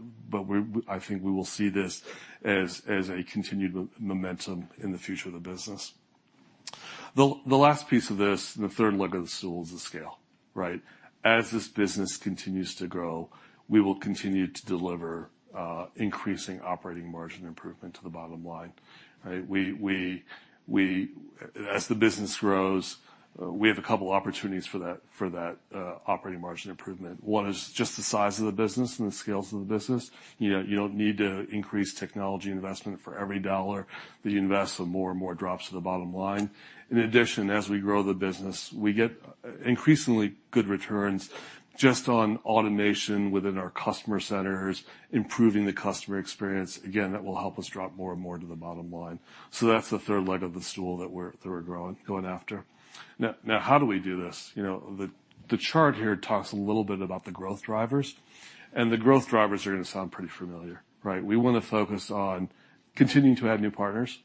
I think we will see this as a continued momentum in the future of the business. The last piece of this, and the third leg of the stool, is the scale, right? As this business continues to grow, we will continue to deliver increasing operating margin improvement to the bottom line, right? As the business grows, we have a couple opportunities for that operating margin improvement. One is just the size of the business and the scales of the business. You know, you don't need to increase technology investment for every dollar that you invest, so more and more drops to the bottom line. In addition, as we grow the business, we get increasingly good returns just on automation within our customer centers, improving the customer experience. Again, that will help us drop more and more to the bottom line. That's the third leg of the stool that we're growing, going after. How do we do this? You know, the chart here talks a little bit about the growth drivers, the growth drivers are gonna sound pretty familiar, right? We want to focus on continuing to add new partners,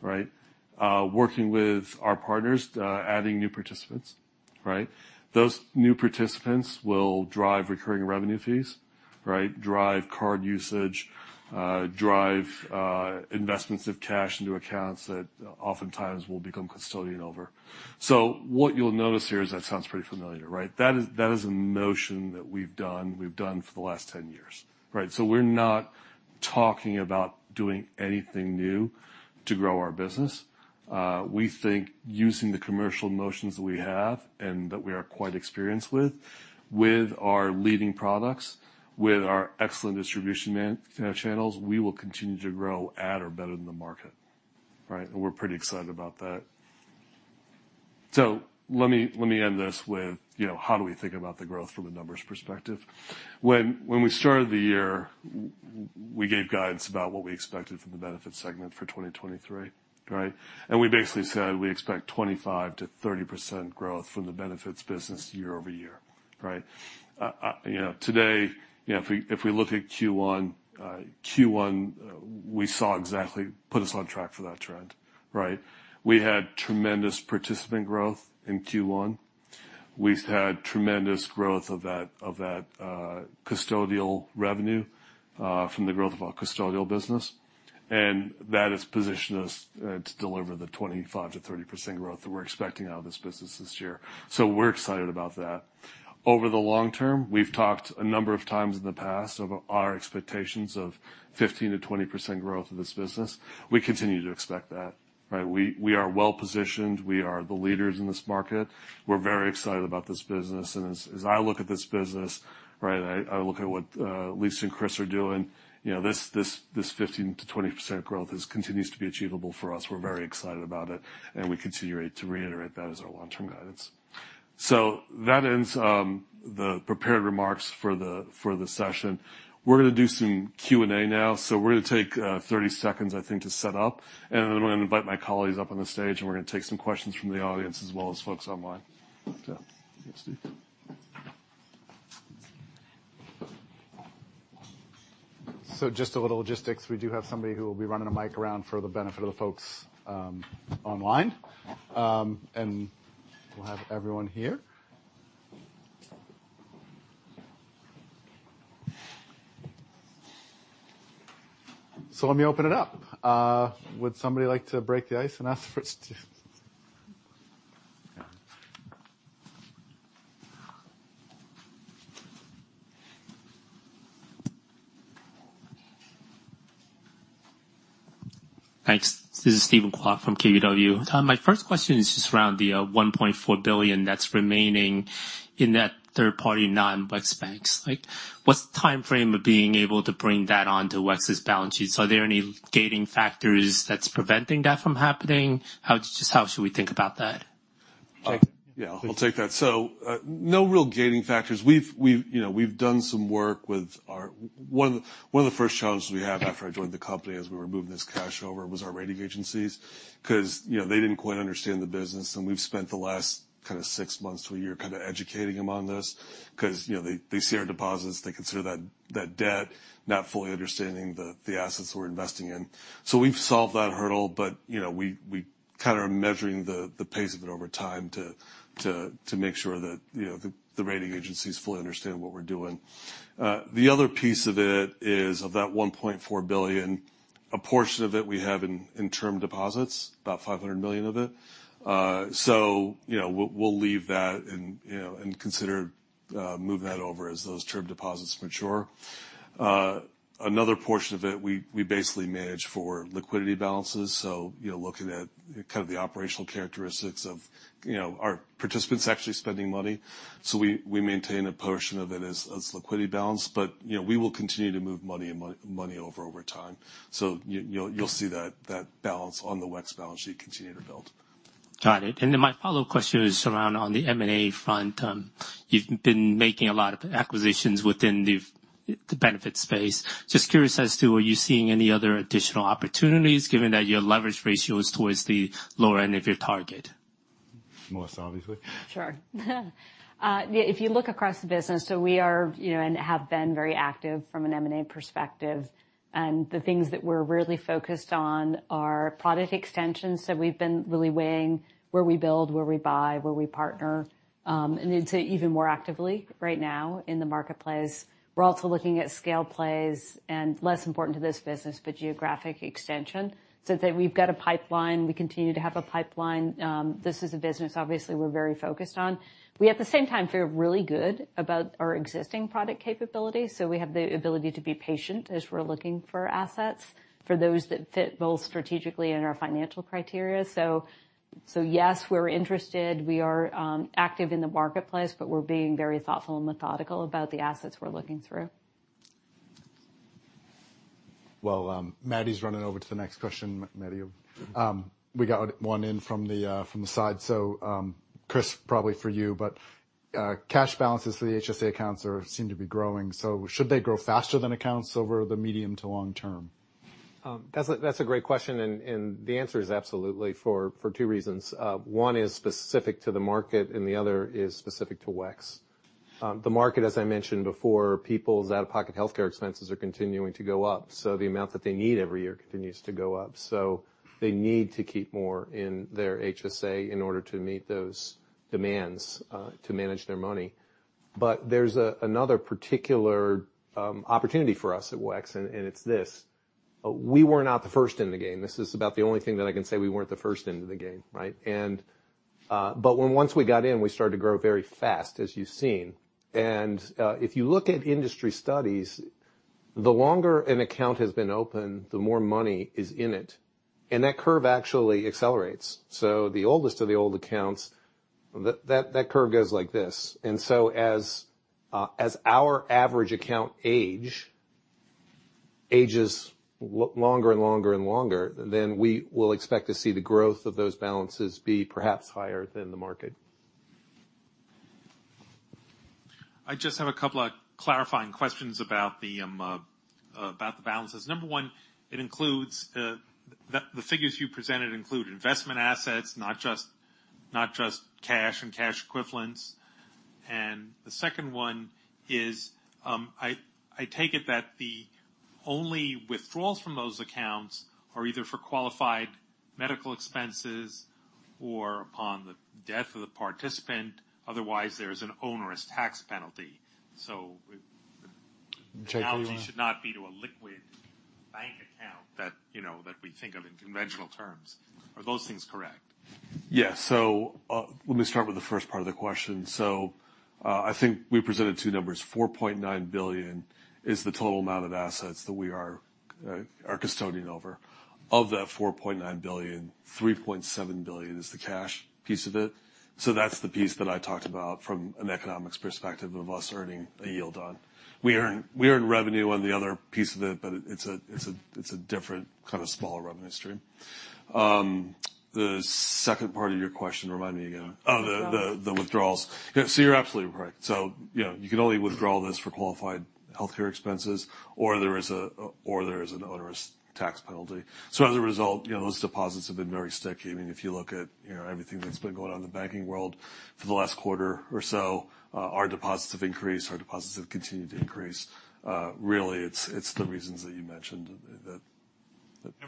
right? Working with our partners, adding new participants, right? Those new participants will drive recurring revenue fees, right, drive card usage, drive investments of cash into accounts that oftentimes will become custodian over. What you'll notice here is that sounds pretty familiar, right? That is, that is a notion that we've done, we've done for the last 10 years, right? We're not talking about doing anything new to grow our business. We think using the commercial motions that we have and that we are quite experienced with our leading products, with our excellent distribution channels, we will continue to grow at or better than the market, right? We're pretty excited about that. Let me end this with, you know, how do we think about the growth from a numbers perspective? When we started the year, we gave guidance about what we expected from the benefit segment for 2023, right? We basically said we expect 25%-30% growth from the benefits business year-over-year, right? You know, today, you know, if we look at Q1, we saw exactly put us on track for that trend, right? We had tremendous participant growth in Q1. We've had tremendous growth of that custodial revenue from the growth of our custodial business, and that has positioned us to deliver the 25%-30% growth that we're expecting out of this business this year. We're excited about that. Over the long term, we've talked a number of times in the past of our expectations of 15%-20% growth of this business. We continue to expect that, right? We are well positioned. We are the leaders in this market. We're very excited about this business, and as I look at this business, right, I look at what Lisa and Chris are doing, you know, this 15%-20% growth is continues to be achievable for us. We're very excited about it, and we continue it to reiterate that as our long-term guidance. That ends the prepared remarks for the session. We're going to do some Q&A now, so we're going to take, 30 seconds, I think, to set up, and then I'm going to invite my colleagues up on the stage, and we're going to take some questions from the audience as well as folks online. Thanks, Steve. Just a little logistics. We do have somebody who will be running a mic around for the benefit of the folks online. We'll have everyone here. Let me open it up. Would somebody like to break the ice and ask the first? Thanks. This is Steven Kwok from KBW. My first question is just around the $1.4 billion that's remaining in that third-party non-WEX banks. Like, what's the timeframe of being able to bring that onto WEX's balance sheet? Are there any gating factors that's preventing that from happening? Just how should we think about that? Yeah, I'll take that. No real gating factors. We've, you know, we've done some work with our—one of the first challenges we had after I joined the company, as we were moving this cash over, was our rating agencies, 'cause, you know, they didn't quite understand the business, and we've spent the last kind of six months to a year kind of educating them on this. You know, they see our deposits, they consider that debt, not fully understanding the assets we're investing in. We've solved that hurdle, but, you know, we kind of are measuring the pace of it over time to make sure that, you know, the rating agencies fully understand what we're doing. The other piece of it is, of that $1.4 billion, a portion of it we have in term deposits, about $500 million of it. You know, we'll leave that and, you know, and consider moving that over as those term deposits mature. Another portion of it, we basically manage for liquidity balances. You know, looking at kind of the operational characteristics of, you know, are participants actually spending money? We maintain a portion of it as liquidity balance, you know, we will continue to move money over time. You'll see that balance on the WEX balance sheet continue to build. Got it. My follow-up question is around on the M&A front. You've been making a lot of acquisitions within the benefits space. Just curious as to, are you seeing any other additional opportunities, given that your leverage ratio is towards the lower end of your target? Melissa, obviously. Sure. If you look across the business, so we are, you know, and have been very active from an M&A perspective, and the things that we're really focused on are product extensions. We've been really weighing where we build, where we buy, where we partner, and it's even more actively right now in the marketplace. We're also looking at scale plays, and less important to this business, but geographic extension, so that we've got a pipeline, we continue to have a pipeline. This is a business obviously we're very focused on. We, at the same time, feel really good about our existing product capabilities, so we have the ability to be patient as we're looking for assets, for those that fit both strategically and our financial criteria. Yes, we're interested, we are active in the marketplace. We're being very thoughtful and methodical about the assets we're looking through. Maddy's running over to the next question. Maddy, we got one in from the side. Chris, probably for you, but cash balances for the HSA accounts seem to be growing. Should they grow faster than accounts over the medium to long term? That's a great question, and the answer is absolutely, for 2 reasons. One is specific to the market, and the other is specific to WEX. The market, as I mentioned before, people's out-of-pocket healthcare expenses are continuing to go up, so the amount that they need every year continues to go up. They need to keep more in their HSA in order to meet those demands, to manage their money. There's another particular opportunity for us at WEX, and it's this: We were not the first in the game. This is about the only thing that I can say we weren't the first into the game, right? When once we got in, we started to grow very fast, as you've seen. If you look at industry studies, the longer an account has been open, the more money is in it, and that curve actually accelerates. The oldest of the old accounts, that curve goes like this. As our average account age ages longer and longer and longer, then we will expect to see the growth of those balances be perhaps higher than the market. I just have a couple of clarifying questions about the, about the balances. Number 1, it includes the figures you presented include investment assets, not just cash and cash equivalents. The second one is, I take it that the only withdrawals from those accounts are either for qualified medical expenses or upon the death of the participant, otherwise, there's an onerous tax penalty. Do you take that one? Analogy should not be to a liquid bank account that, you know, that we think of in conventional terms. Are those things correct? Yes. Let me start with the first part of the question. I think we presented 2 numbers. $4.9 billion is the total amount of assets that we are custodian over. Of that $4.9 billion, $3.7 billion is the cash piece of it. That's the piece that I talked about from an economics perspective of us earning a yield on. We earn revenue on the other piece of it, but it's a different, kind of, smaller revenue stream. The second part of your question, remind me again. The withdrawals. You're absolutely right. You know, you can only withdraw this for qualified healthcare expenses, or there is an onerous tax penalty. As a result, you know, those deposits have been very sticky. I mean, if you look at, you know, everything that's been going on in the banking world for the last quarter or so, our deposits have continued to increase. Really, it's the reasons that you mentioned that,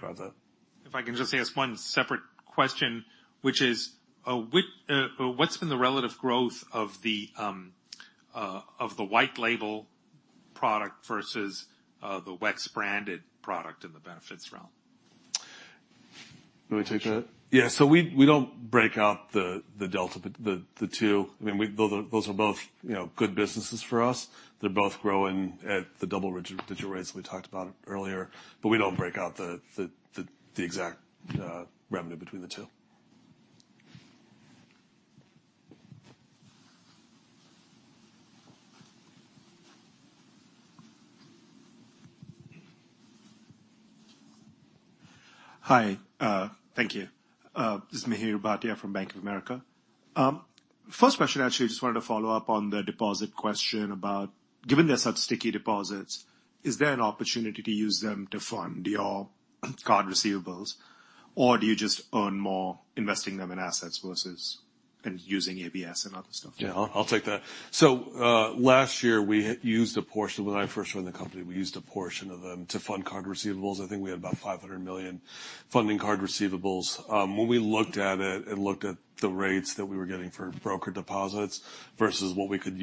about that. If I can just ask one separate question, which is, what's been the relative growth of the of the white label product versus the WEX-branded product in the benefits realm? You want me take that? Yeah, we don't break out the delta, the two. I mean, those are both, you know, good businesses for us. They're both growing at the double digital rates that we talked about earlier, we don't break out the exact revenue between the two. Hi, thank you. This is Mihir Bhatia from Bank of America. First question, actually, I just wanted to follow up on the deposit question about, given they're such sticky deposits, is there an opportunity to use them to fund your card receivables, or do you just earn more investing them in assets versus kind of using ABS and other stuff? Yeah, I'll take that. Last year, we used a portion. When I first joined the company, we used a portion of them to fund card receivables. I think we had about $500 million funding card receivables. When we looked at it and looked at the rates that we were getting for broker deposits versus what we could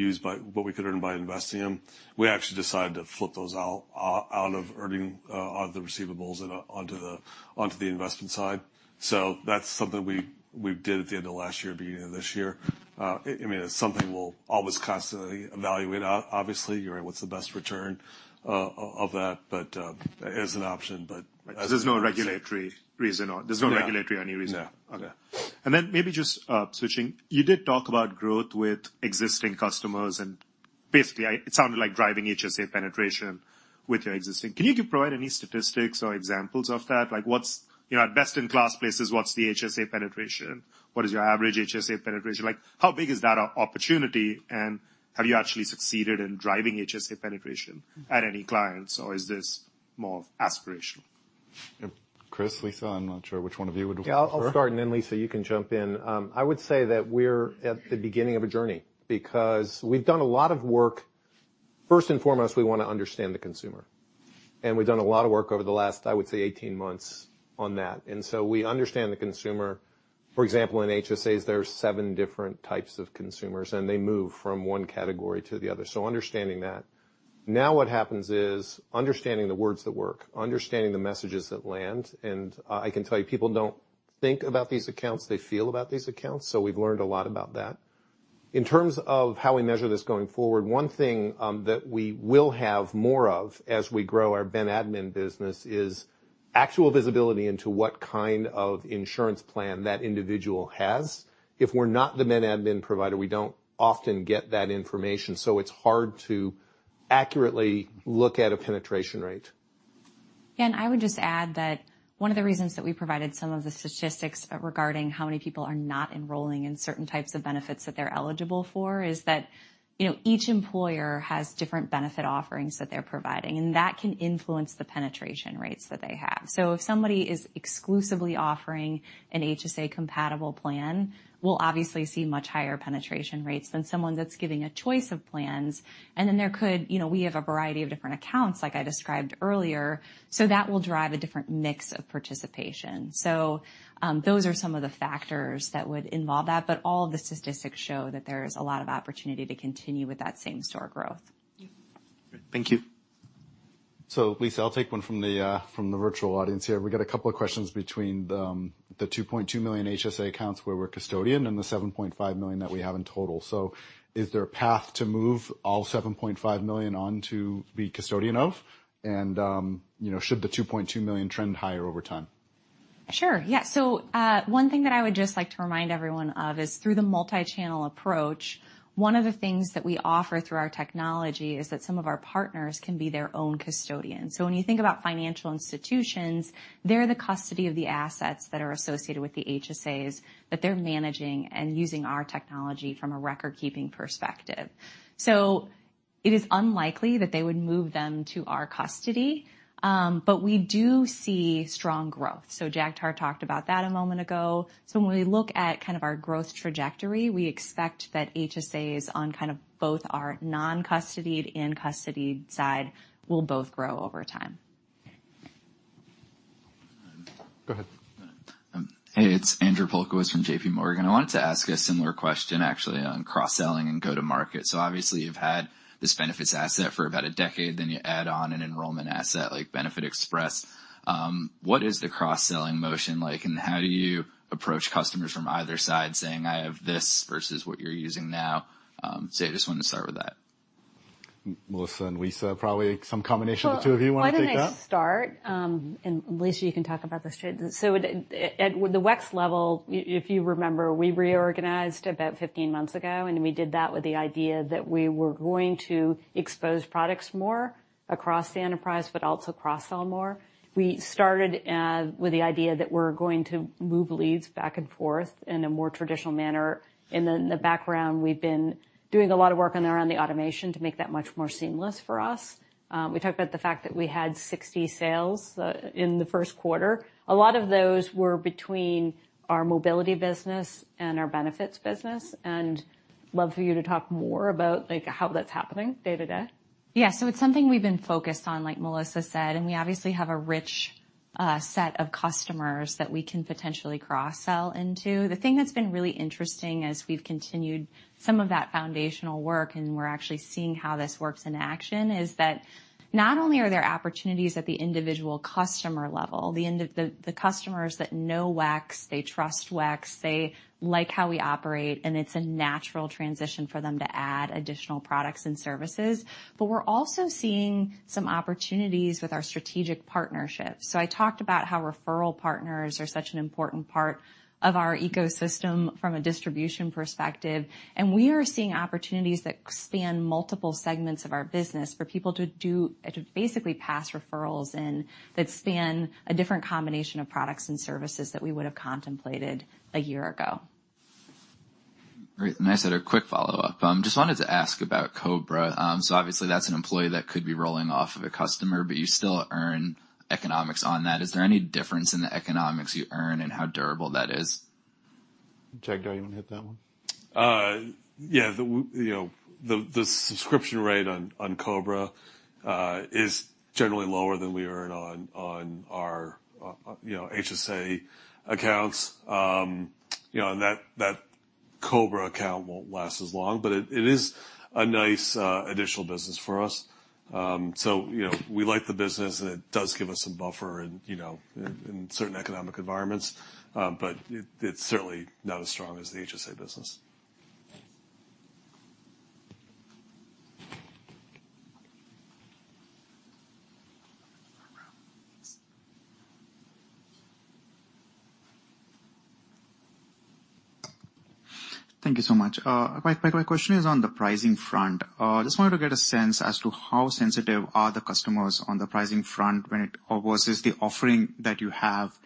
earn by investing them, we actually decided to flip those out of earning out of the receivables and onto the investment side. That's something we did at the end of last year, beginning of this year. I mean, it's something we'll always constantly evaluate, obviously, figure out what's the best return of that, but it is an option, but. There's no regulatory reason or there's no regulatory any reason? No. Yeah. Okay. Maybe just switching, you did talk about growth with existing customers, and basically, it sounded like driving HSA penetration with your existing. Can you provide any statistics or examples of that? Like, what's, you know, at best-in-class places, what's the HSA penetration? What is your average HSA penetration? Like, how big is that opportunity, and have you actually succeeded in driving HSA penetration at any clients, or is this more aspirational? Chris, Lisa, I'm not sure which one of you. Yeah, I'll start. Then, Lisa, you can jump in. I would say that we're at the beginning of a journey, because we've done a lot of work. First and foremost, we want to understand the consumer, and we've done a lot of work over the last, I would say, 18 months on that. So we understand the consumer. For example, in HSAs, there are seven different types of consumers, and they move from one category to the other, so understanding that. What happens is understanding the words that work, understanding the messages that land, and, I can tell you, people don't think about these accounts, they feel about these accounts, so we've learned a lot about that. In terms of how we measure this going forward, one thing that we will have more of as we grow our ben admin business is actual visibility into what kind of insurance plan that individual has. If we're not the ben admin provider, we don't often get that information, so it's hard to accurately look at a penetration rate. I would just add that one of the reasons that we provided some of the statistics regarding how many people are not enrolling in certain types of benefits that they're eligible for, is that, you know, each employer has different benefit offerings that they're providing, and that can influence the penetration rates that they have. If somebody is exclusively offering an HSA compatible plan, we'll obviously see much higher penetration rates than someone that's giving a choice of plans. Then there could, you know, we have a variety of different accounts, like I described earlier, so that will drive a different mix of participation. Those are some of the factors that would involve that, but all of the statistics show that there is a lot of opportunity to continue with that same store growth. Thank you. Lisa, I'll take one from the virtual audience here. We've got a couple of questions between the 2.2 million HSA accounts where we're custodian and the 7.5 million that we have in total. Is there a path to move all 7.5 million on to be custodian of? You know, should the 2.2 million trend higher over time? Sure. Yeah. One thing that I would just like to remind everyone of is through the multi-channel approach, one of the things that we offer through our technology is that some of our partners can be their own custodians. When you think about financial institutions, they're the custody of the assets that are associated with the HSAs, but they're managing and using our technology from a record-keeping perspective. It is unlikely that they would move them to our custody, but we do see strong growth. Jagtar talked about that a moment ago. When we look at kind of our growth trajectory, we expect that HSAs on kind of both our non-custodied and custodied side, will both grow over time. Go ahead. Hey, it's Andrew Polkowitz from J.P. Morgan. I wanted to ask a similar question, actually, on cross-selling and go-to-market. Obviously, you've had this benefits asset for about a decade, then you add on an enrollment asset like Benefitexpress. What is the cross-selling motion like, and how do you approach customers from either side, saying, "I have this versus what you're using now?" I just wanted to start with that. Melissa and Lisa, probably some combination of the 2 of you want to take that? Why don't I start? Lisa, you can talk about the strategies. At the WEX level, if you remember, we reorganized about 15 months ago, and we did that with the idea that we were going to expose products more across the enterprise, but also cross-sell more. We started with the idea that we're going to move leads back and forth in a more traditional manner. In the background, we've been doing a lot of work on around the automation to make that much more seamless for us. We talked about the fact that we had 60 sales in the first quarter. A lot of those were between our mobility business and our benefits business. Love for you to talk more about, like, how that's happening day to day. Yeah, it's something we've been focused on, like Melissa said, and we obviously have a rich set of customers that we can potentially cross-sell into. The thing that's been really interesting as we've continued some of that foundational work, and we're actually seeing how this works in action, is that not only are there opportunities at the individual customer level, the customers that know WEX, they trust WEX, they like how we operate, and it's a natural transition for them to add additional products and services, but we're also seeing some opportunities with our strategic partnerships. I talked about how referral partners are such an important part of our ecosystem from a distribution perspective, and we are seeing opportunities that span multiple segments of our business for people to do. To basically pass referrals in that span a different combination of products and services that we would have contemplated a year ago. Great, I just had a quick follow-up. Just wanted to ask about COBRA. Obviously, that's an employee that could be rolling off of a customer, but you still earn economics on that. Is there any difference in the economics you earn and how durable that is? Jagtar, you want to hit that one? Yeah, the, you know, the subscription rate on COBRA is generally lower than we earn on our, you know, HSA accounts. You know, that COBRA account won't last as long, but it is a nice additional business for us. You know, we like the business, and it does give us some buffer in, you know, in certain economic environments, but it's certainly not as strong as the HSA business. Thank you so much. My question is on the pricing front. Just wanted to get a sense as to how sensitive are the customers on the pricing front when it versus the offering that you have.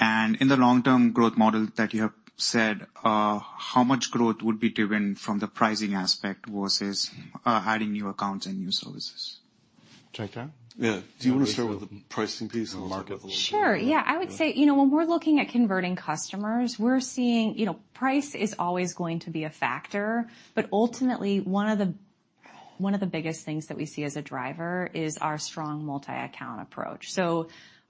In the long-term growth model that you have said, how much growth would be driven from the pricing aspect versus adding new accounts and new services? Jagtar? Yeah. Do you want to start with the pricing piece and I'll start with the? Sure. Yeah, I would say, you know, when we're looking at converting customers, we're seeing, you know, price is always going to be a factor, but ultimately, one of the biggest things that we see as a driver is our strong multi-account approach.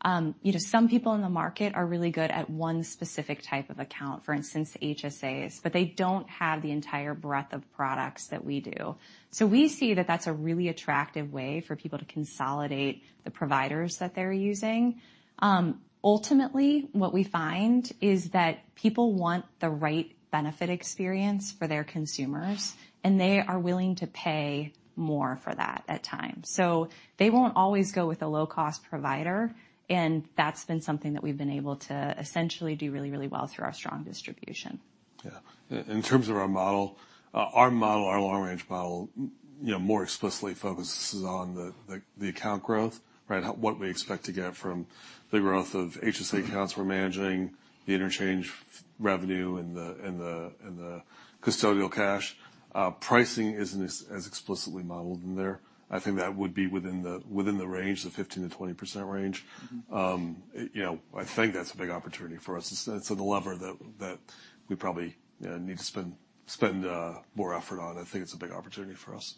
You know, some people in the market are really good at one specific type of account, for instance, HSAs, but they don't have the entire breadth of products that we do. We see that that's a really attractive way for people to consolidate the providers that they're using. Ultimately, what we find is that people want the right benefit experience for their consumers, and they are willing to pay more for that at times. They won't always go with a low-cost provider, and that's been something that we've been able to essentially do really, really well through our strong distribution. Yeah. In terms of our long-range model, you know, more explicitly focuses on the account growth, right? What we expect to get from the growth of HSA accounts. We're managing the interchange revenue and the custodial cash. Pricing isn't as explicitly modeled in there. I think that would be within the range, the 15%-20% range. You know, I think that's a big opportunity for us. It's a lever that we probably need to spend more effort on. I think it's a big opportunity for us.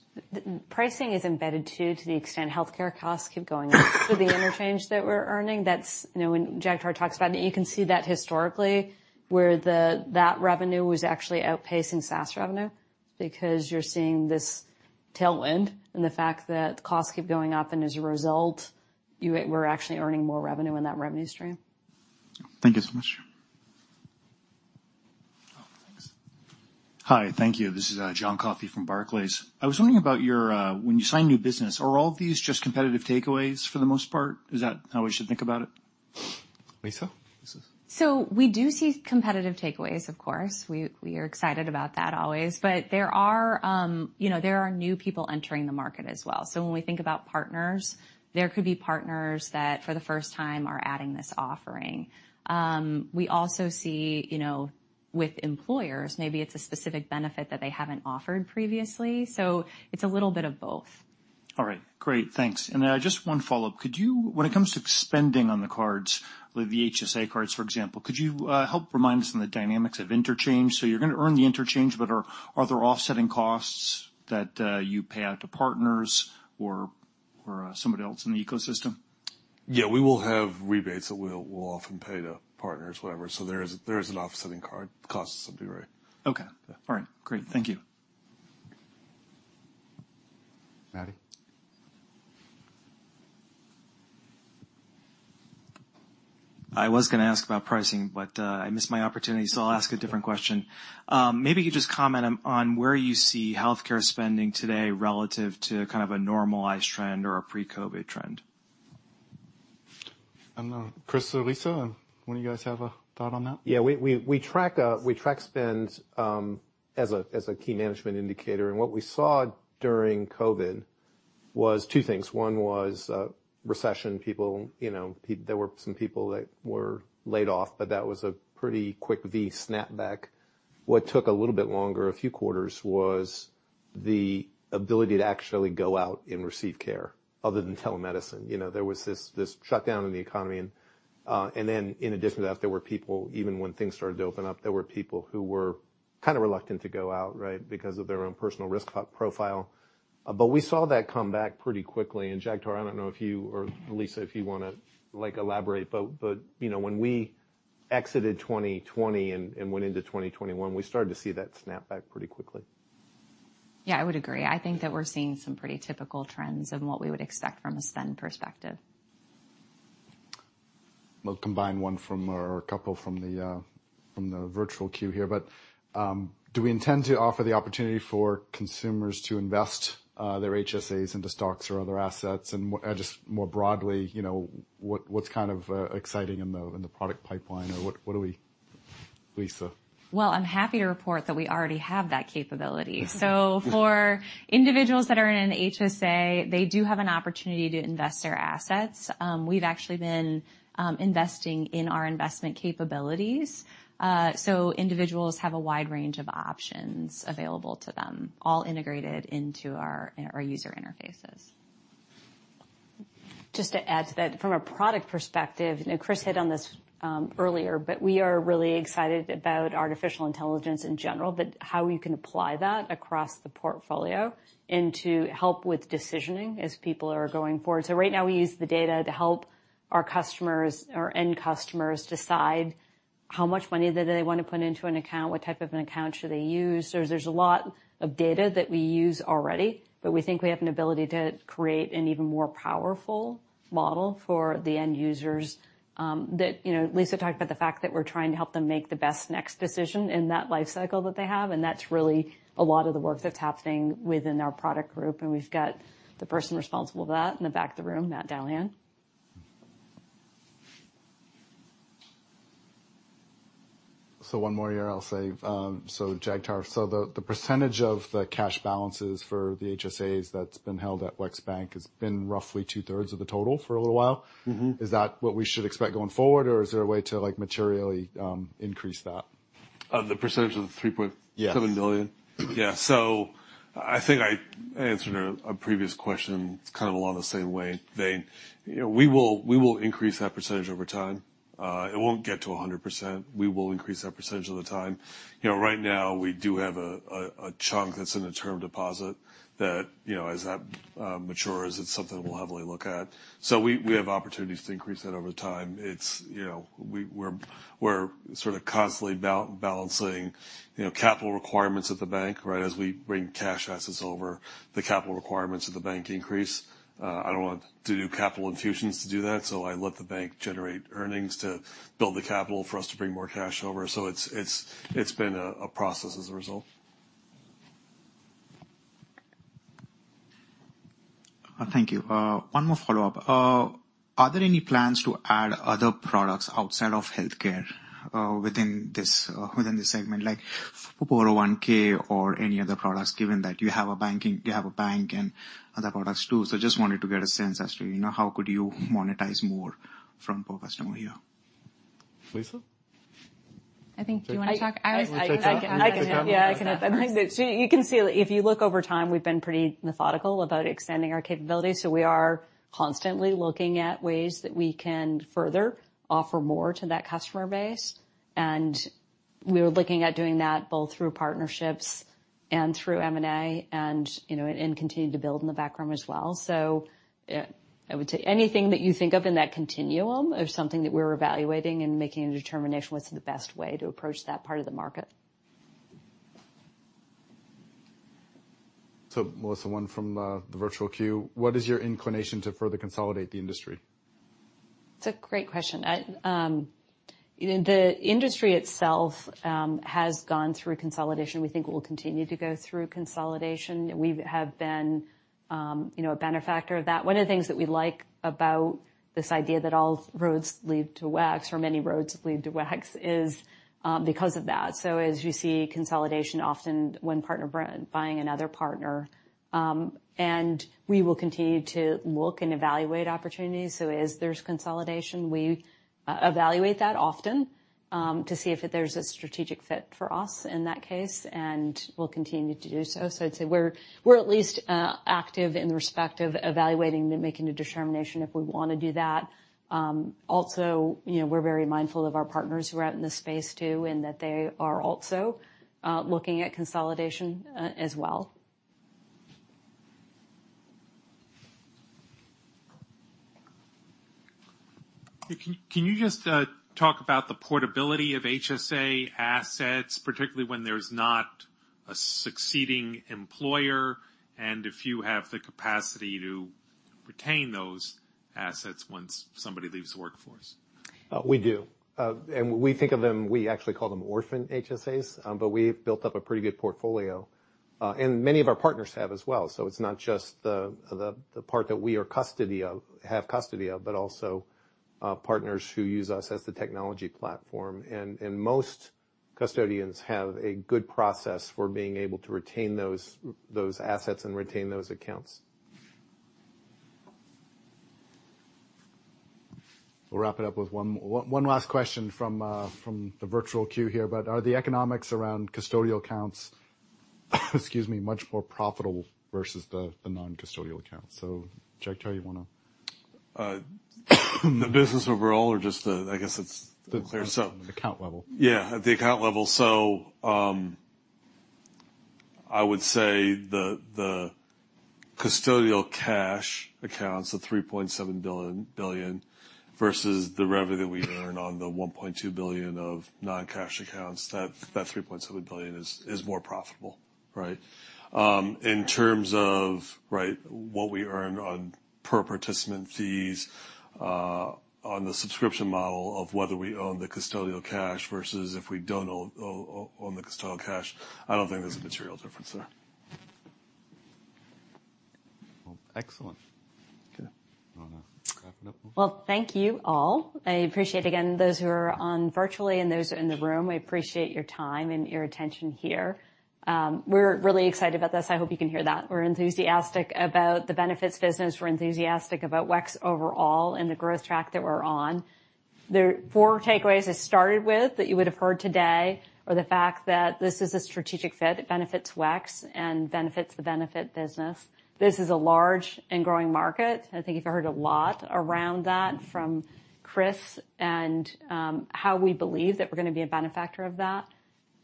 Pricing is embedded, too, to the extent healthcare costs keep going up. To the interchange that we're earning, that's, you know, when Jagtar talks about, and you can see that historically, where that revenue was actually outpacing SaaS revenue, because you're seeing this tailwind and the fact that costs keep going up, and as a result, we're actually earning more revenue in that revenue stream. Thank you so much. Thanks. Hi, thank you. This is John Coffey from Barclays. When you sign new business, are all these just competitive takeaways for the most part? Is that how we should think about it? Lisa? We do see competitive takeaways, of course. We are excited about that always. There are, you know, there are new people entering the market as well. When we think about partners, there could be partners that, for the first time, are adding this offering. We also see, you know, with employers, maybe it's a specific benefit that they haven't offered previously, so it's a little bit of both. All right. Great, thanks. Just one follow-up: When it comes to spending on the cards, the HSA cards, for example, could you help remind us on the dynamics of interchange? You're going to earn the interchange, but are there offsetting costs that you pay out to partners or somebody else in the ecosystem? Yeah, we will have rebates that we'll often pay to partners, whatever. There is an offsetting card costs, that'll be right. Okay. Yeah. All right. Great. Thank you. Matty? I was going to ask about pricing, but I missed my opportunity, so I'll ask a different question. Maybe you just comment on where you see healthcare spending today relative to kind of a normalized trend or a pre-COVID trend? I don't know. Chris or Lisa, one of you guys have a thought on that? Yeah, we track spend as a key management indicator. What we saw during COVID was two things. One was recession. People, you know, there were some people that were laid off, but that was a pretty quick V snapback. What took a little bit longer, a few quarters, was the ability to actually go out and receive care other than telemedicine. You know, there was this shutdown in the economy. In addition to that, there were people, even when things started to open up, there were people who were kind of reluctant to go out, right, because of their own personal risk profile. We saw that come back pretty quickly, and Jagtar, I don't know if you or Lisa, if you want to, like, elaborate, but, you know, when we exited 2020 and went into 2021, we started to see that snap back pretty quickly. Yeah, I would agree. I think that we're seeing some pretty typical trends in what we would expect from a spend perspective. We'll combine one from or a couple from the from the virtual queue here. Do we intend to offer the opportunity for consumers to invest their HSAs into stocks or other assets? Just more broadly, you know, what's kind of exciting in the product pipeline or what are we... Lisa? I'm happy to report that we already have that capability. For individuals that are in an HSA, they do have an opportunity to invest their assets. We've actually been investing in our investment capabilities, so individuals have a wide range of options available to them, all integrated into our user interfaces. Just to add to that, from a product perspective, Chris hit on this earlier, we are really excited about artificial intelligence in general, how we can apply that across the portfolio and to help with decisioning as people are going forward. Right now, we use the data to help our customers, our end customers, decide how much money do they want to put into an account, what type of an account should they use. There's a lot of data that we use already, we think we have an ability to create an even more powerful model for the end users. That, you know, Lisa talked about the fact that we're trying to help them make the best next decision in that life cycle that they have, and that's really a lot of the work that's happening within our product group, and we've got the person responsible for that in the back of the room, Matt Dallahan. One more here, I'll say, so Jagtar, so the percentage of the cash balances for the HSAs that's been held at WEX Bank has been roughly two-thirds of the total for a little while. Mm-hmm. Is that what we should expect going forward, or is there a way to, like, materially, increase that? The percentage of the Yes. $7 billion? Yeah. I think I answered a previous question. It's kind of along the same way, vein. You know, we will increase that percentage over time. It won't get to 100%. We will increase that percentage of the time. You know, right now, we do have a chunk that's in a term deposit that, you know, as that matures, it's something we'll heavily look at. We have opportunities to increase that over time. It's, you know, we're constantly balancing, you know, capital requirements at the WEX Bank, right? As we bring cash assets over, the capital requirements of the WEX Bank increase. I don't want to do capital infusions to do that, so I let the WEX Bank generate earnings to build the capital for us to bring more cash over. It's been a process as a result. Thank you. One more follow-up. Are there any plans to add other products outside of healthcare, within this, within this segment, like for 401 or any other products, given that you have a bank and other products too? Just wanted to get a sense as to, you know, how could you monetize more from per customer here. Lisa? I think, do you wanna talk? Want to take that? I can, yeah, I can. You can see, if you look over time, we've been pretty methodical about extending our capabilities. We are constantly looking at ways that we can further offer more to that customer base. We are looking at doing that both through partnerships and through M&A, and, you know, and continue to build in the background as well. I would say anything that you think of in that continuum of something that we're evaluating and making a determination what's the best way to approach that part of the market. Melissa, one from the virtual queue: What is your inclination to further consolidate the industry? It's a great question. I, the industry itself, has gone through consolidation. We think it will continue to go through consolidation. We have been, you know, a benefactor of that. One of the things that we like about this idea that all roads lead to WEX, or many roads lead to WEX, is because of that. As you see consolidation, often one partner buying another partner, and we will continue to look and evaluate opportunities. As there's consolidation, we evaluate that often to see if there's a strategic fit for us in that case, and we'll continue to do so. I'd say we're at least active in the respect of evaluating and making a determination if we wanna do that. Also, you know, we're very mindful of our partners who are out in this space too, and that they are also looking at consolidation as well. Can you just talk about the portability of HSA assets, particularly when there's not a succeeding employer, and if you have the capacity to retain those assets once somebody leaves the workforce? We do. We think of them, we actually call them orphan HSAs, but we've built up a pretty good portfolio, and many of our partners have as well. It's not just the part that we have custody of, but also partners who use us as the technology platform. Most custodians have a good process for being able to retain those assets and retain those accounts. We'll wrap it up with one last question from the virtual queue here, about are the economics around custodial accounts, excuse me, much more profitable versus the non-custodial accounts? Jagtar, you wanna. The business overall, or just the, I guess it's the clear- Account level. Yeah, at the account level. I would say the custodial cash accounts, the $3.7 billion, versus the revenue we earn on the $1.2 billion of non-cash accounts, that $3.7 billion is more profitable, right? In terms of, right, what we earn on per participant fees on the subscription model of whether we own the custodial cash versus if we don't own the custodial cash, I don't think there's a material difference there. Excellent. Okay. Wanna wrap it up now? Well, thank you, all. I appreciate, again, those who are on virtually and those in the room, we appreciate your time and your attention here. We're really excited about this. I hope you can hear that. We're enthusiastic about the benefits business. We're enthusiastic about WEX overall and the growth track that we're on. The four takeaways I started with, that you would have heard today, are the fact that this is a strategic fit. It benefits WEX and benefits the benefits business. This is a large and growing market. I think you've heard a lot around that from Chris and how we believe that we're gonna be a benefactor of that.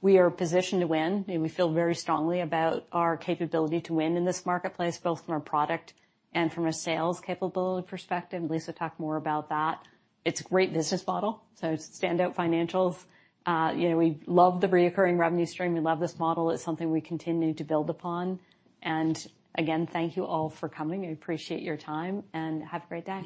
We are positioned to win, and we feel very strongly about our capability to win in this marketplace, both from a product and from a sales capability perspective. Lisa talked more about that. It's a great business model. Standout financials. you know, we love the recurring revenue stream. We love this model. It's something we continue to build upon. Again, thank you all for coming. I appreciate your time, and have a great day.